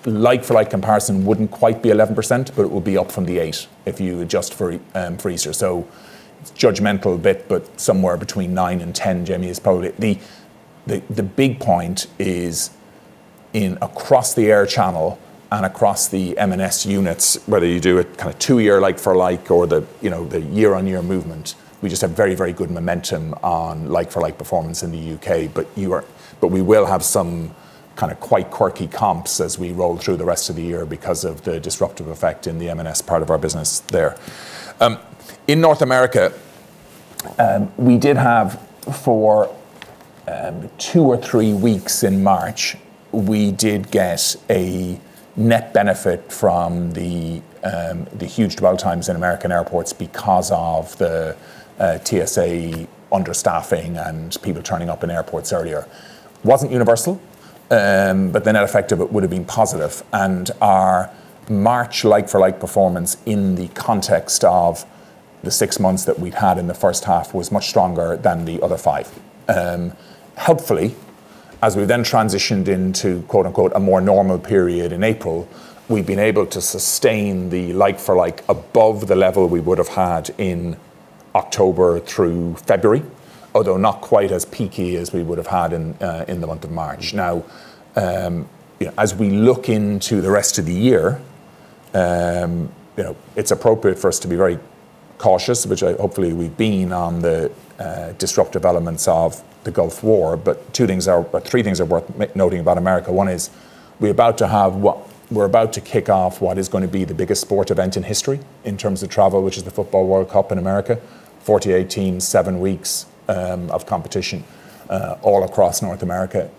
like-for-like comparison wouldn't quite be 11%, but it would be up from the 8%, if you adjust for Easter. It's judgemental a bit, but somewhere between nine and 10, Jamie, is probably. The big point is in across the air channel and across the M&S units, whether you do a kind of two-year like-for-like or the year-on-year movement, we just have very, very good momentum on like-for-like performance in the U.K., but we will have some kind of quite quirky comps as we roll through the rest of the year because of the disruptive effect in the M&S part of our business there. In North America, we did have for two or three weeks in March, we did get a net benefit from the huge dwell times in American airports because of the TSA understaffing and people turning up in airports earlier. Wasn't universal, but the net effect of it would've been positive, and our March like for like performance in the context of the six months that we'd had in the first half was much stronger than the other five. Helpfully, as we then transitioned into quote unquote A more normal period in April, we've been able to sustain the like for like above the level we would've had in October through February, although not quite as peaky as we would've had in the month of March. As we look into the rest of the year, you know, it's appropriate for us to be very cautious, which I hopefully we've been on the disruptive elements of the Gulf War, but two things are, three things are worth noting about America. One is we're about to have what we're about to kick off what is gonna be the biggest sport event in history in terms of travel, which is the football World Cup in the America. 48 teams, seven weeks of competition all across North America.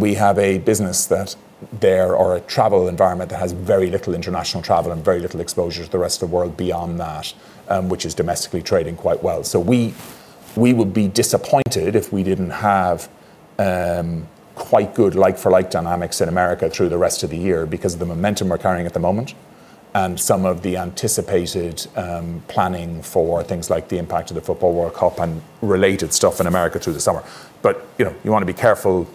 We have a business that there, or a travel environment that has very little international travel and very little exposure to the rest of the world beyond that, which is domestically trading quite well. We would be disappointed if we didn't have quite good like-for-like dynamics in the U.S. through the rest of the year because of the momentum we're carrying at the moment and some of the anticipated planning for things like the impact of the football World Cup and related stuff in the U.S. through the summer. You know, you wanna be careful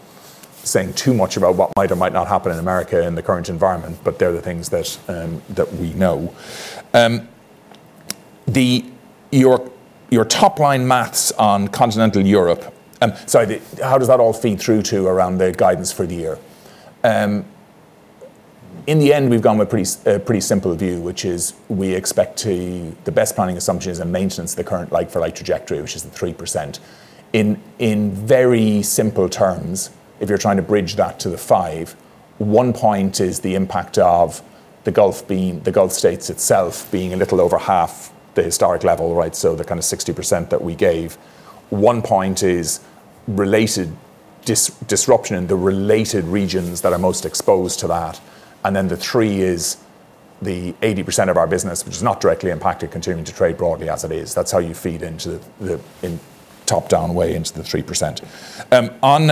saying too much about what might or might not happen in America in the current environment, but they're the things that we know. Your top line math on Continental Europe, sorry, how does that all feed through to around the guidance for the year? In the end, we've gone with a pretty simple view, which is we expect to the best planning assumption is a maintenance of the current like-for-like trajectory, which is the 3%. In very simple terms, if you're trying to bridge that to the five. One point is the impact of the Gulf being the Gulf states itself being a little over half the historic level, right? The kind of 60% that we gave. One point is related disruption in the related regions that are most exposed to that. Then the three is the 80% of our business which is not directly impacted continuing to trade broadly as it is. That's how you feed into the in top-down way into the 3%. On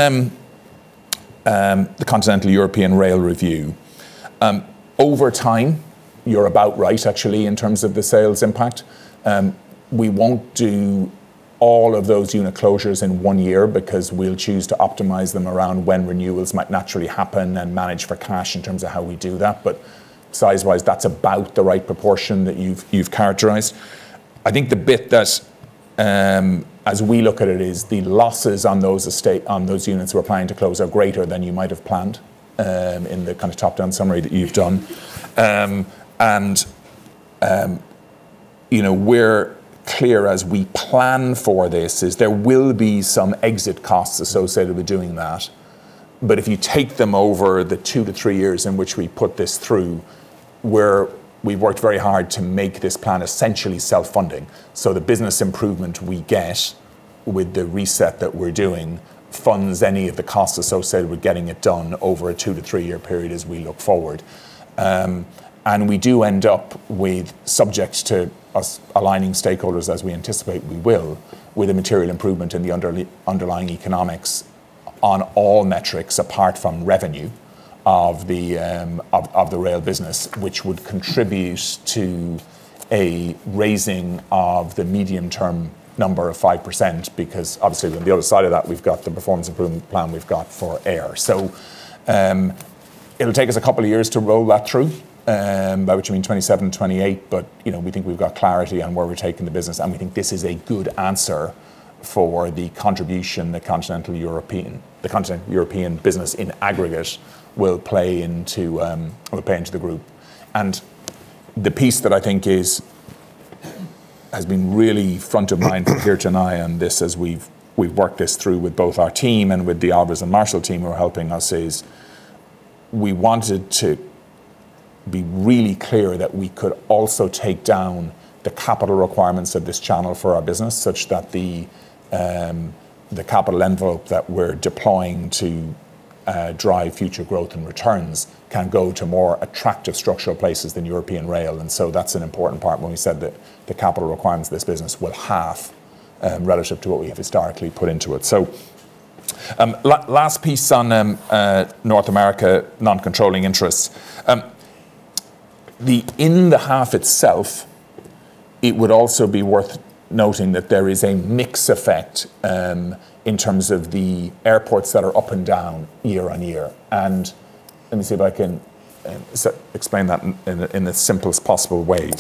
the Continental European Rail review, over time, you're about right actually in terms of the sales impact. We won't do all of those unit closures in one year because we'll choose to optimize them around when renewals might naturally happen and manage for cash in terms of how we do that. Size-wise, that's about the right proportion that you've characterized. I think the bit that, as we look at it is the losses on those estate, on those units we're planning to close are greater than you might have planned in the kind of top-down summary that you've done. You know, we're clear as we plan for this is there will be some exit costs associated with doing that. If you take them over the 2-3 years in which we put this through, we've worked very hard to make this plan essentially self-funding. The business improvement we get with the reset that we're doing funds any of the costs associated with getting it done over a 2-3-year period as we look forward. We do end up with subjects to us aligning stakeholders as we anticipate we will, with a material improvement in the underlying economics on all metrics apart from revenue of the rail business, which would contribute to a raising of the medium-term number of 5% because obviously on the other side of that, we've got the performance improvement plan we've got for air. It'll take us a couple of years to roll that through, by which I mean 2027, 2028, but, you know, we think we've got clarity on where we're taking the business, and we think this is a good answer for the contribution the Continental European business in aggregate will play into the group. The piece that I think has been really front of mind for Geert and I on this as we've worked this through with both our team and with the Alvarez & Marsal team who are helping us, is we wanted to be really clear that we could also take down the capital requirements of this channel for our business, such that the capital envelope that we're deploying to drive future growth and returns can go to more attractive structural places than European rail. That's an important part when we said that the capital requirements of this business will half relative to what we have historically put into it. Last piece on North America non-controlling interests. In the half itself, it would also be worth noting that there is a mix effect in terms of the airports that are up and down year on year. Let me see if I can explain that in the simplest possible way.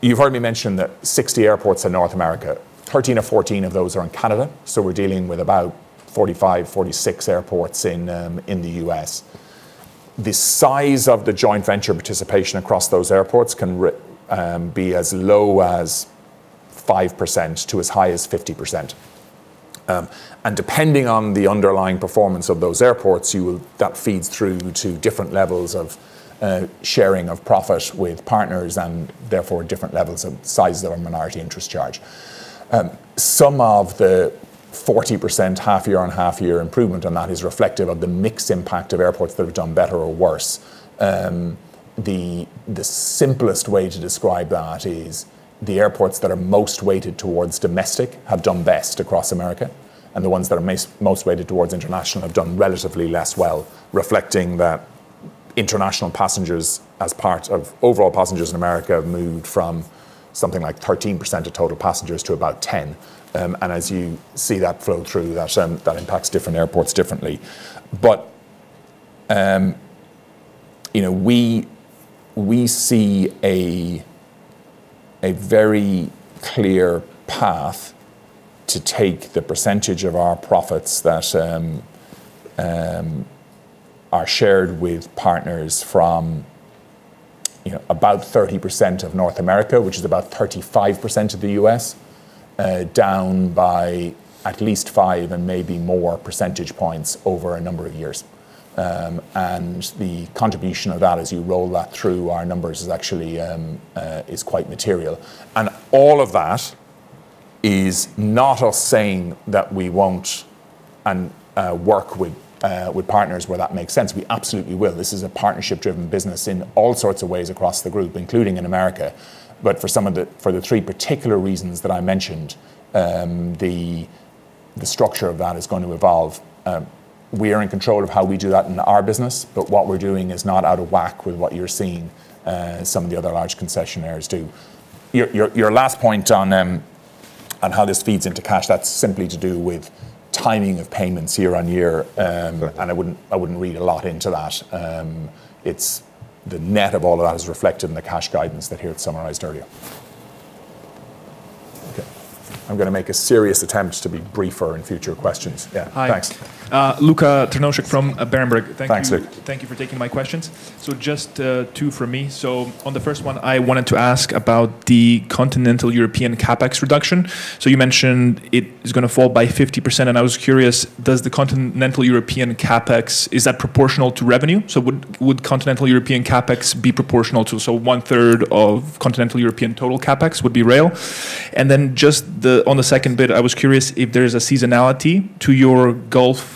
You've heard me mention that 60 airports in North America, 13 or 14 of those are in Canada, so we're dealing with about 45, 46 airports in the U.S. The size of the joint venture participation across those airports can be as low as 5% to as high as 50%. Depending on the underlying performance of those airports, that feeds through to different levels of sharing of profit with partners and therefore different levels of sizes of a minority interest charge. Some of the 40% half year on half year improvement on that is reflective of the mix impact of airports that have done better or worse. The simplest way to describe that is the airports that are most weighted towards domestic have done best across America, and the ones that are most weighted towards international have done relatively less well, reflecting that international passengers as part of overall passengers in America have moved from something like 13% of total passengers to about 10%. As you see that flow through, that impacts different airports differently. You know, we see a very clear path to take the percentage of our profits that are shared with partners from, you know, about 30% of North America, which is about 35% of the U.S., down by at least five and maybe more percentage points over a number of years. The contribution of that as you roll that through our numbers is actually quite material. All of that is not us saying that we won't work with partners where that makes sense. We absolutely will. This is a partnership-driven business in all sorts of ways across the Group, including in America. For the three particular reasons that I mentioned, the structure of that is going to evolve. We are in control of how we do that in our business, but what we're doing is not out of whack with what you're seeing, some of the other large concessionaires do. Your last point on how this feeds into cash, that's simply to do with timing of payments year on year. I wouldn't read a lot into that. It's the net of all of that is reflected in the cash guidance that Geert summarized earlier. Okay. I'm gonna make a serious attempt to be briefer in future questions. Yeah. Hi. Thanks. Luka Trnovsek from Berenberg. Thank you. Thanks, Luka. Thank you for taking my questions. Just two for me. On the first one, I wanted to ask about the Continental European CapEx reduction. You mentioned it is gonna fall by 50%, and I was curious, does the Continental European CapEx, is that proportional to revenue? Would Continental European CapEx be proportional to, so one-third of Continental European total CapEx would be rail? Just on the second bit, I was curious if there's a seasonality to your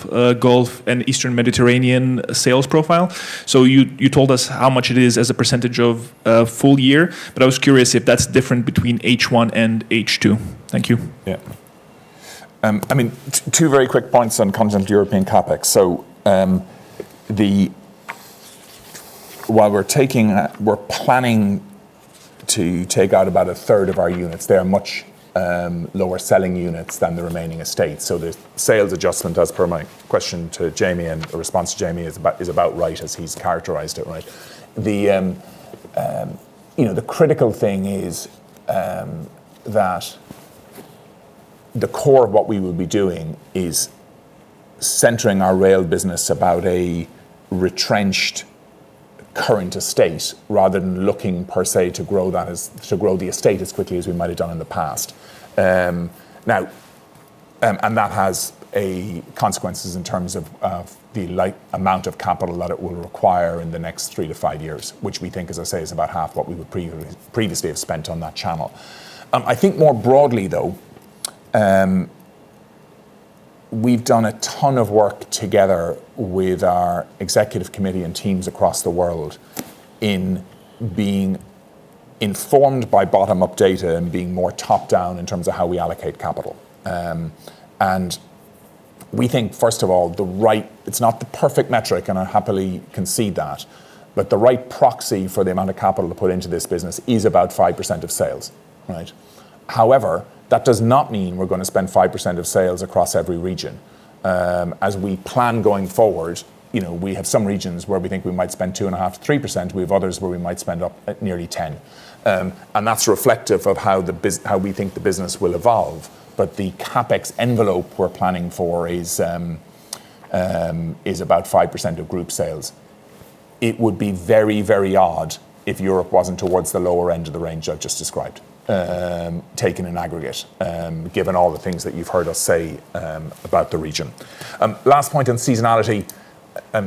Gulf and Eastern Mediterranean sales profile. You told us how much it is as a % of full year, but I was curious if that's different between H1 and H2. Thank you. Yeah. I mean, two very quick points on Continental European CapEx. The While we're taking, we're planning to take out about a third of our units, they are much lower selling units than the remaining estate. The sales adjustment, as per my question to Jamie and the response to Jamie is about right as he's characterized it, right? The, you know, the critical thing is that the core of what we will be doing is centering our rail business about a retrenched current estate rather than looking per se to grow the estate as quickly as we might have done in the past. Now, that has a consequences in terms of the light amount of capital that it will require in the next three to five years, which we think, as I say, is about half what we would previously have spent on that channel. I think more broadly though, we've done a ton of work together with our executive committee and teams across the world in being informed by bottom-up data and being more top-down in terms of how we allocate capital. We think, first of all, the right, it's not the perfect metric, and I happily concede that, but the right proxy for the amount of capital to put into this business is about 5% of sales, right? However, that does not mean we're gonna spend 5% of sales across every region. As we plan going forward, you know, we have some regions where we think we might spend 2.5%-3%, we have others where we might spend up at nearly 10%. That's reflective of how we think the business will evolve, but the CapEx envelope we're planning for is about 5% of group sales. It would be very, very odd if Europe wasn't towards the lower end of the range I've just described, taken in aggregate, given all the things that you've heard us say about the region. Last point on seasonality,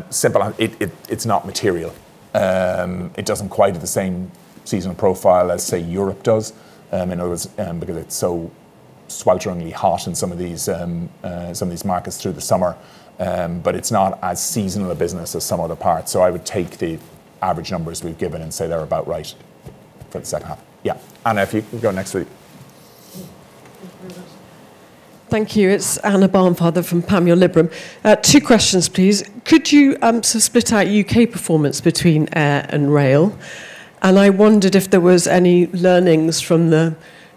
simple, it's not material. It doesn't quite have the same seasonal profile as, say, Europe does, in other words, because it's so swelteringly hot in some of these, some of these markets through the summer. It's not as seasonal a business as some other parts. I would take the average numbers we've given and say they're about right for the second half. Anna, if you can go next, please. Thank you. It's Anna Barnfather from Panmure Liberum. Two questions, please. Could you sort of split out U.K. performance between air and rail? I wondered if there was any learnings from the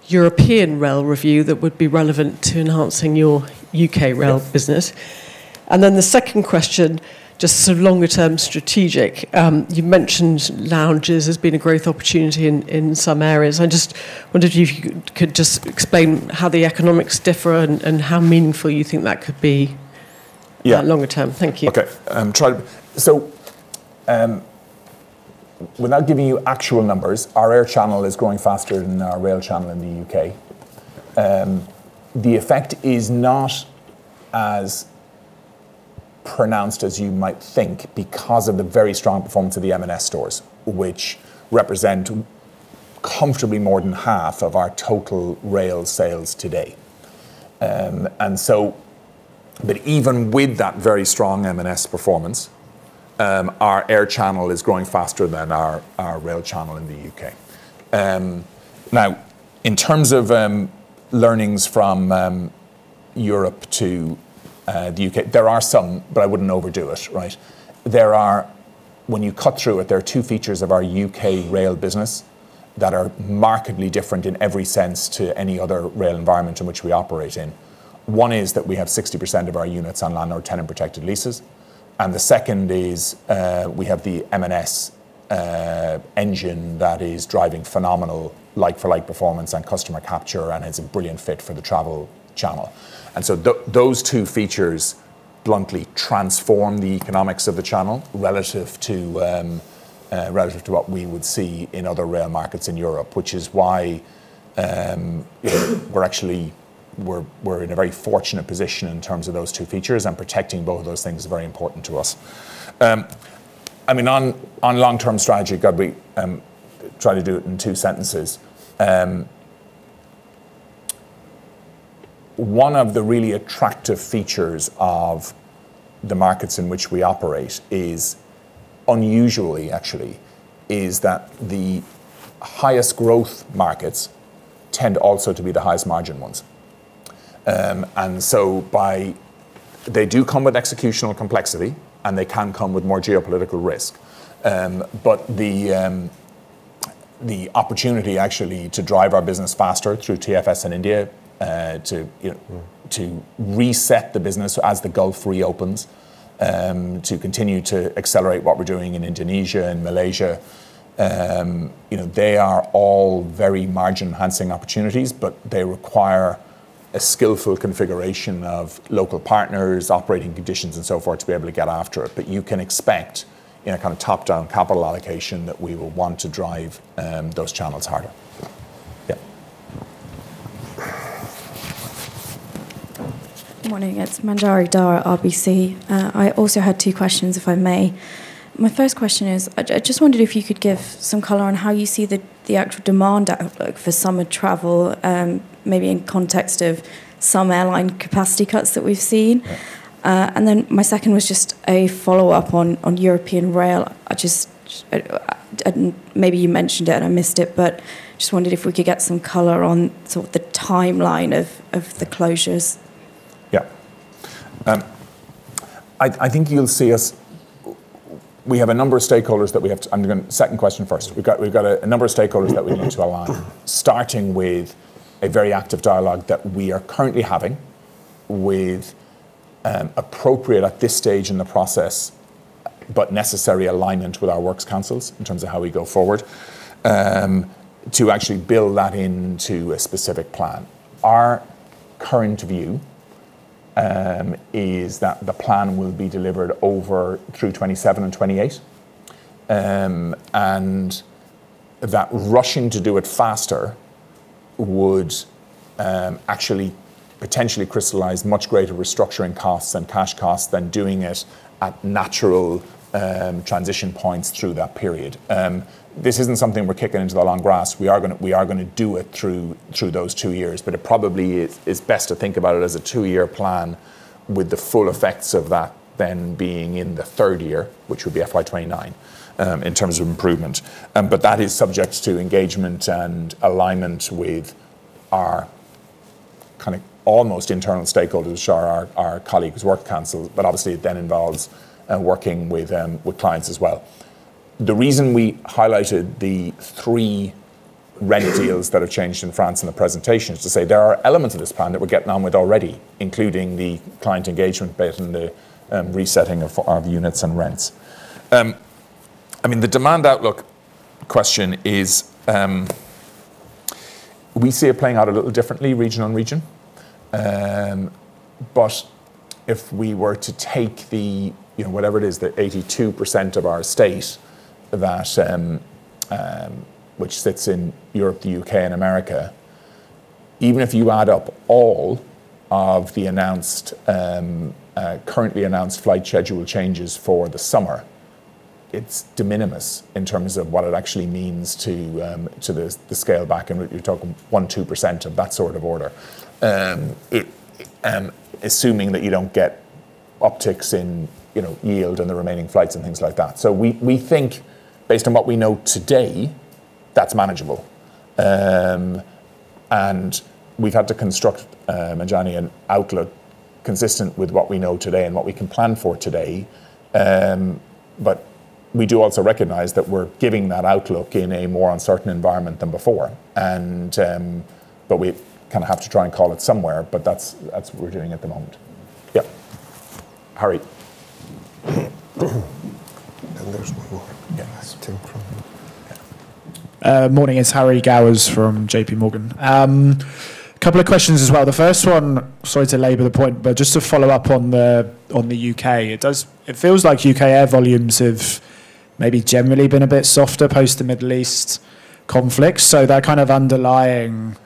European rail review that would be relevant to enhancing your U.K. rail business? Yeah. The second question, just sort of longer term strategic. You mentioned lounges as being a growth opportunity in some areas. I just wondered if you could just explain how the economics differ and how meaningful you think that could be longer term. Thank you. Okay. Without giving you actual numbers, our air channel is growing faster than our rail channel in the U.K. The effect is not as pronounced as you might think because of the very strong performance of the M&S stores, which represent comfortably more than half of our total rail sales today. Even with that very strong M&S performance, our air channel is growing faster than our rail channel in the U.K. In terms of learnings from Europe to the U.K., there are some, but I wouldn't overdo it, right? When you cut through it, there are two features of our U.K. rail business that are markedly different in every sense to any other rail environment in which we operate in. One is that we have 60% of our units on landlord tenant protected leases. The second is we have the M&S engine that is driving phenomenal like-for-like performance and customer capture and is a brilliant fit for the travel channel. Those two features bluntly transform the economics of the channel relative to relative to what we would see in other rail markets in Europe, which is why we're actually in a very fortunate position in terms of those two features, and protecting both of those things are very important to us. I mean, on long-term strategy, God, we try to do it in two sentences. One of the really attractive features of the markets in which we operate is, unusually actually, is that the highest growth markets tend also to be the highest margin ones. They do come with executional complexity, and they can come with more geopolitical risk. The opportunity actually to drive our business faster through TFS in India, to, you know, to reset the business as the Gulf reopens, to continue to accelerate what we're doing in Indonesia and Malaysia. You know, they are all very margin-enhancing opportunities, but they require a skillful configuration of local partners, operating conditions, and so forth to be able to get after it. You can expect, you know, kind of top-down capital allocation that we will want to drive those channels harder. Good morning. It's Manjari Dhar, RBC. I also had two questions, if I may. My first question is I just wondered if you could give some color on how you see the actual demand outlook for summer travel, maybe in context of some airline capacity cuts that we've seen. Then my second was just a follow-up on European rail. I just maybe you mentioned it and I missed it, but just wondered if we could get some color on sort of the timeline of the closures. Yeah. I think you'll see us we have a number of stakeholders that we have to. I'm gonna second question first. We've got a number of stakeholders that we need to align, starting with a very active dialogue that we are currently having with appropriate at this stage in the process, but necessary alignment with our works councils in terms of how we go forward to actually build that into a specific plan. Our current view is that the plan will be delivered over through 2027 and 2028, and that rushing to do it faster would actually potentially crystallize much greater restructuring costs and cash costs than doing it at natural transition points through that period. This isn't something we're kicking into the long grass. We are going to do it through those two years, but it probably is best to think about it as a two-year plan with the full effects of that then being in the third year, which would be FY 2029, in terms of improvement. That is subject to engagement and alignment with our kind of almost internal stakeholders, which are our colleagues' work councils, obviously it then involves working with clients as well. The reason we highlighted the three rent deals that have changed in France in the presentation is to say there are elements of this plan that we're getting on with already, including the client engagement bit and the resetting of units and rents. I mean, the demand outlook question is, we see it playing out a little differently region on region. If we were to take the, you know, whatever it is, the 82% of our estate that, which sits in Europe, the U.K., and America, even if you add up all of the announced, currently announced flight schedule changes for the summer, it's de minimis in terms of what it actually means to the scale back, and you're talking 1%, 2% of that sort of order. Assuming that you don't get upticks in, you know, yield on the remaining flights and things like that. We think based on what we know today, that's manageable. We've had to construct, Manjari, an outlook consistent with what we know today and what we can plan for today. We do also recognize that we're giving that outlook in a more uncertain environment than before and, but we kind of have to try and call it somewhere, but that's what we're doing at the moment. Harry. There's one more. Yeah. Morning. It's Harry Gowers from J.P. Morgan. Couple questions as well. The first one, sorry to labor the point, just to follow up on the U.K. It feels like U.K. air volumes have maybe generally been a bit softer post the Middle East conflict, so that kind of underlying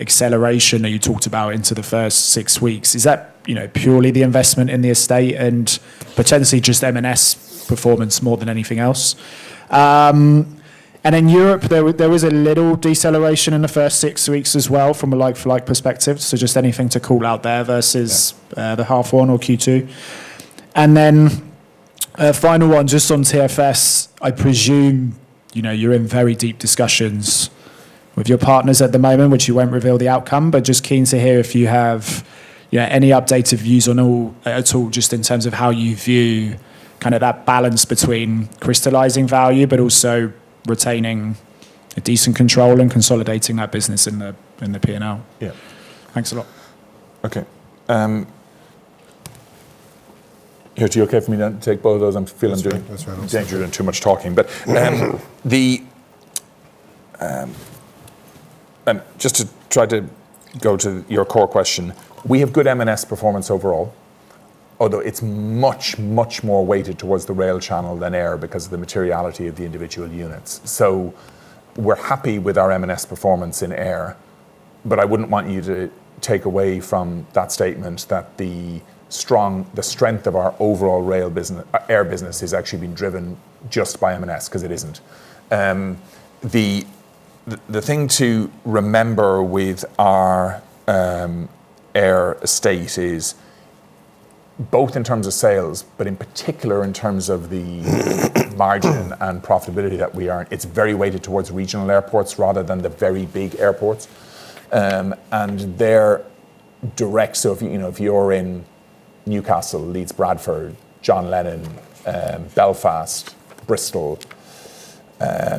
acceleration that you talked about into the first six weeks, is that, you know, purely the investment in the estate and potentially just M&S performance more than anything else? In Europe, there was a little deceleration in the first six weeks as well from a like-for-like perspective, just anything to call out there versus the half one or Q2. A final one, just on TFS. I presume, you know, you're in very deep discussions with your partners at the moment, which you won't reveal the outcome, but just keen to hear if you have, you know, any updated views on all at all, just in terms of how you view kind of that balance between crystallizing value but also retaining a decent control and consolidating that business in the P&L. Yeah. Thanks a lot. Okay. Geert, you okay for me to take both of those? That's right. That's right. Danger in too much talking. Just to try to go to your core question, we have good M&S performance overall, although it's much, much more weighted towards the rail channel than air because of the materiality of the individual units. We're happy with our M&S performance in air, but I wouldn't want you to take away from that statement that the strength of our overall air business has actually been driven just by M&S, 'cause it isn't. The, the thing to remember with our air estate is both in terms of sales, but in particular in terms of the margin and profitability that we are, it's very weighted towards regional airports rather than the very big airports. Their direct if, you know, if you're in Newcastle, Leeds Bradford, John Lennon, Belfast, Bristol, I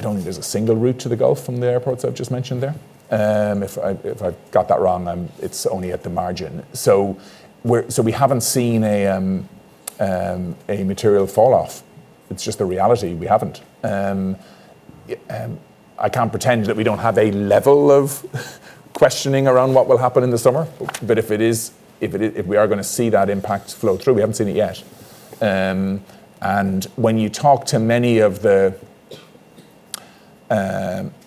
don't think there's a single route to the Gulf from the airports I've just mentioned there. If I got that wrong, it's only at the margin. We haven't seen a material falloff. It's just the reality. We haven't. I can't pretend that we don't have a level of questioning around what will happen in the summer. If we are gonna see that impact flow through, we haven't seen it yet. When you talk to many of the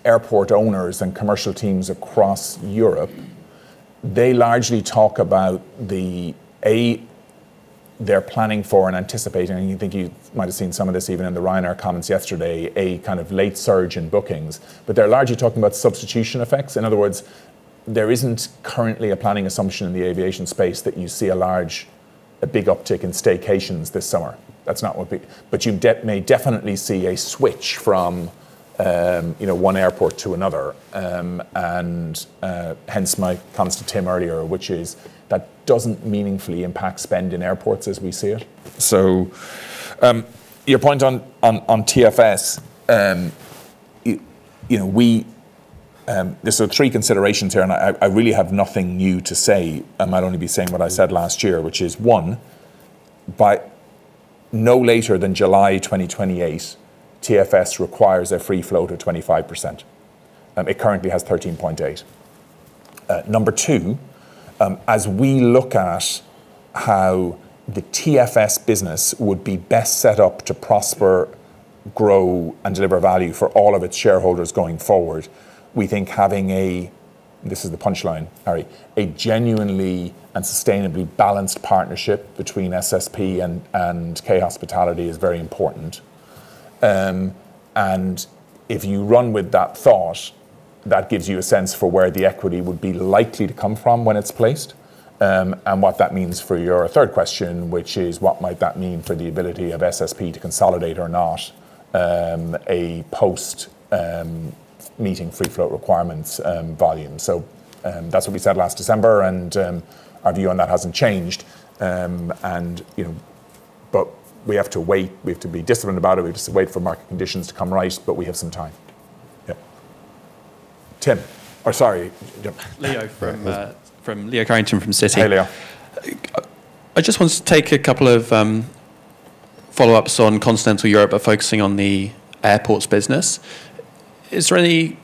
airport owners and commercial teams across Europe, they largely talk about the they're planning for and anticipating, and you think you might have seen some of this even in the Ryanair comments yesterday, a kind of late surge in bookings. They're largely talking about substitution effects. In other words, there isn't currently a planning assumption in the aviation space that you see a big uptick in staycations this summer. You may definitely see a switch from, you know, one airport to another. And hence my comments to Tim earlier, which is that doesn't meaningfully impact spend in airports as we see it. Your point on TFS, you know, we, there's sort of three considerations here, and I really have nothing new to say. I might only be saying what I said last year, which is, one, by no later than July 2028, TFS requires a free float to 25%, and it currently has 13.8%. Number two, as we look at how the TFS business would be best set up to prosper, grow, and deliver value for all of its shareholders going forward, we think having, this is the punchline, Harry, a genuinely and sustainably balanced partnership between SSP and K Hospitality is very important. If you run with that thought, that gives you a sense for where the equity would be likely to come from when it's placed, and what that means for your third question, which is what might that mean for the ability of SSP to consolidate or not, a post meeting free float requirements volume. That's what we said last December, and our view on that hasn't changed. You know, but we have to wait. We have to be disciplined about it. We have to wait for market conditions to come right, but we have some time. Tim. Leo from Leo Carrington from Citi. Hi, Leo. I just wanted to take a couple of follow-ups on Continental Europe, focusing on the airports business. Is there any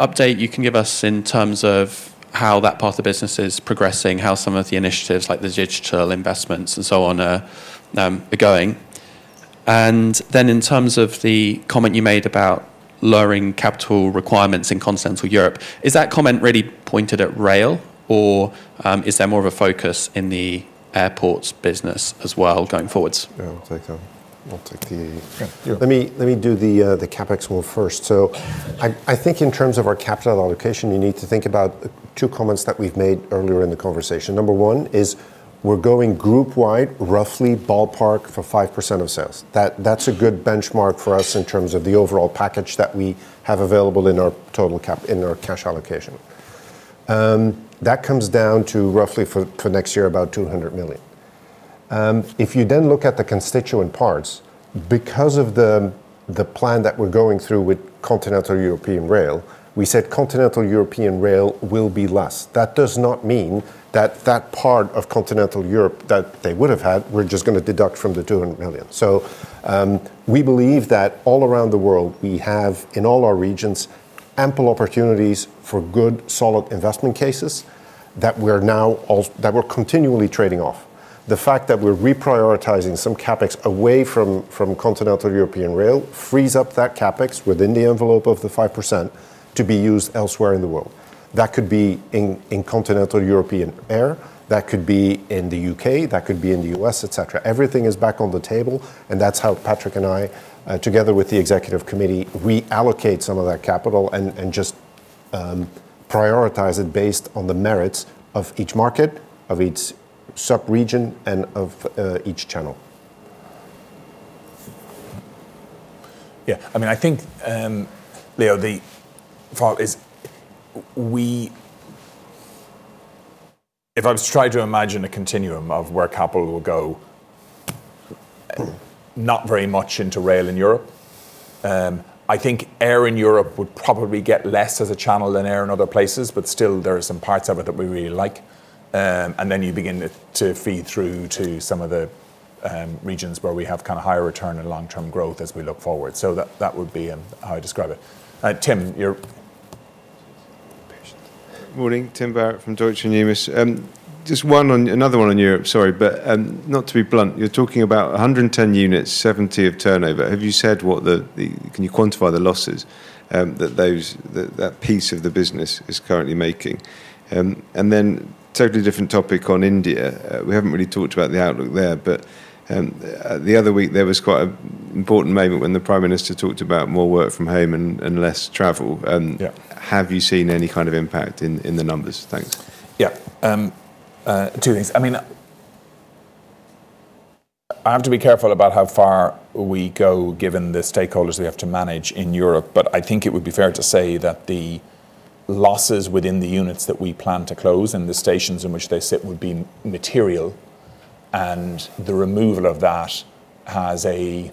update you can give us in terms of how that part of the business is progressing, how some of the initiatives, like the digital investments and so on, are going? In terms of the comment you made about lowering capital requirements in Continental Europe, is that comment really pointed at rail or is there more of a focus in the airports business as well going forwards? Yeah, I'll take that. Yeah, you. Let me do the CapEx one first. I think in terms of our capital allocation, you need to think about two comments that we've made earlier in the conversation. Number one is we're going group wide, roughly ballpark for 5% of sales. That's a good benchmark for us in terms of the overall package that we have available in our total cash allocation. That comes down to roughly for next year, about 200 million. If you then look at the constituent parts, because of the plan that we're going through with Continental European rail, we said Continental European rail will be less. That does not mean that that part of Continental Europe that they would have had, we're just going to deduct from the 200 million. We believe that all around the world, we have, in all our regions, ample opportunities for good, solid investment cases that we're now that we're continually trading off. The fact that we're reprioritizing some CapEx away from Continental European rail frees up that CapEx within the envelope of the 5% to be used elsewhere in the world. That could be in Continental European air. That could be in the U.K. That could be in the U.S., et cetera. Everything is back on the table, and that's how Patrick and I, together with the executive committee, reallocate some of that capital and just prioritize it based on the merits of each market, of each sub-region, and of each channel. Yeah, I mean, I think, Leo, the thought is If I was to try to imagine a continuum of where capital will go, not very much into rail in Europe. I think air in Europe would probably get less as a channel than air in other places, but still there are some parts of it that we really like. And then you begin to feed through to some of the regions where we have kind of higher return and long-term growth as we look forward. That would be how I describe it. Tim. Morning, Tim Barrett from Deutsche Numis. Just one on, another one on Europe, sorry. Not to be blunt, you're talking about 110 units, 70 of turnover. Have you said what, can you quantify the losses that piece of the business is currently making? Totally different topic on India. We haven't really talked about the outlook there, the other week there was quite an important moment when the Prime Minister talked about more work from home and less travel. Yeah. Have you seen any kind of impact in the numbers? Thanks. Two things. I mean, I have to be careful about how far we go given the stakeholders we have to manage in Europe, but I think it would be fair to say that the losses within the units that we plan to close and the stations in which they sit would be material. The removal of that has a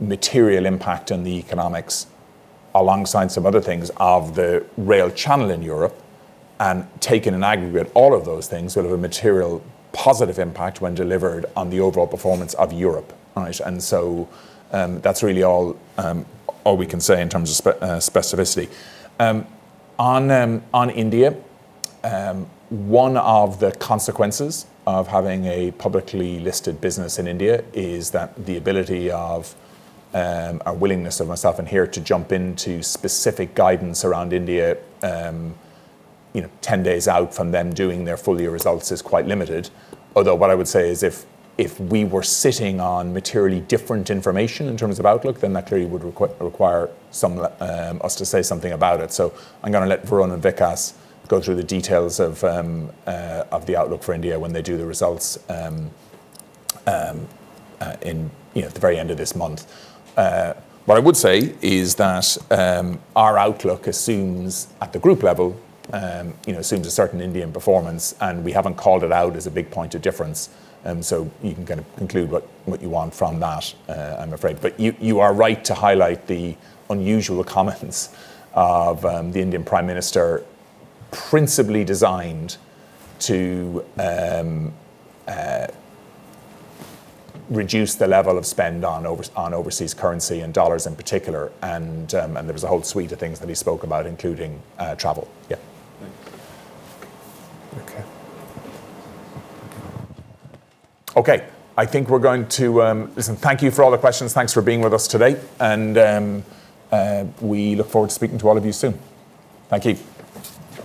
material impact on the economics alongside some other things of the rail channel in Europe. Taken in aggregate, all of those things sort of a material positive impact when delivered on the overall performance of Europe. Right. That's really all we can say in terms of specificity. On India, one of the consequences of having a publicly listed business in India is that the ability of a willingness of myself and Geert to jump into specific guidance around India, 10 days out from them doing their full year results is quite limited. Although what I would say is if we were sitting on materially different information in terms of outlook, then that clearly would require us to say something about it. I'm gonna let Varun and Vikas go through the details of the outlook for India when they do the results in at the very end of this month. What I would say is that our outlook assumes at the group level, you know, assumes a certain Indian performance, and we haven't called it out as a big point of difference. You can kind of conclude what you want from that, I'm afraid. You are right to highlight the unusual comments of the Indian Prime Minister principally designed to reduce the level of spend on overseas currency and dollar in particular. There was a whole suite of things that he spoke about including travel. Yeah. Thank you. Okay. Okay. Thank you for all the questions. Thanks for being with us today. We look forward to speaking to all of you soon. Thank you.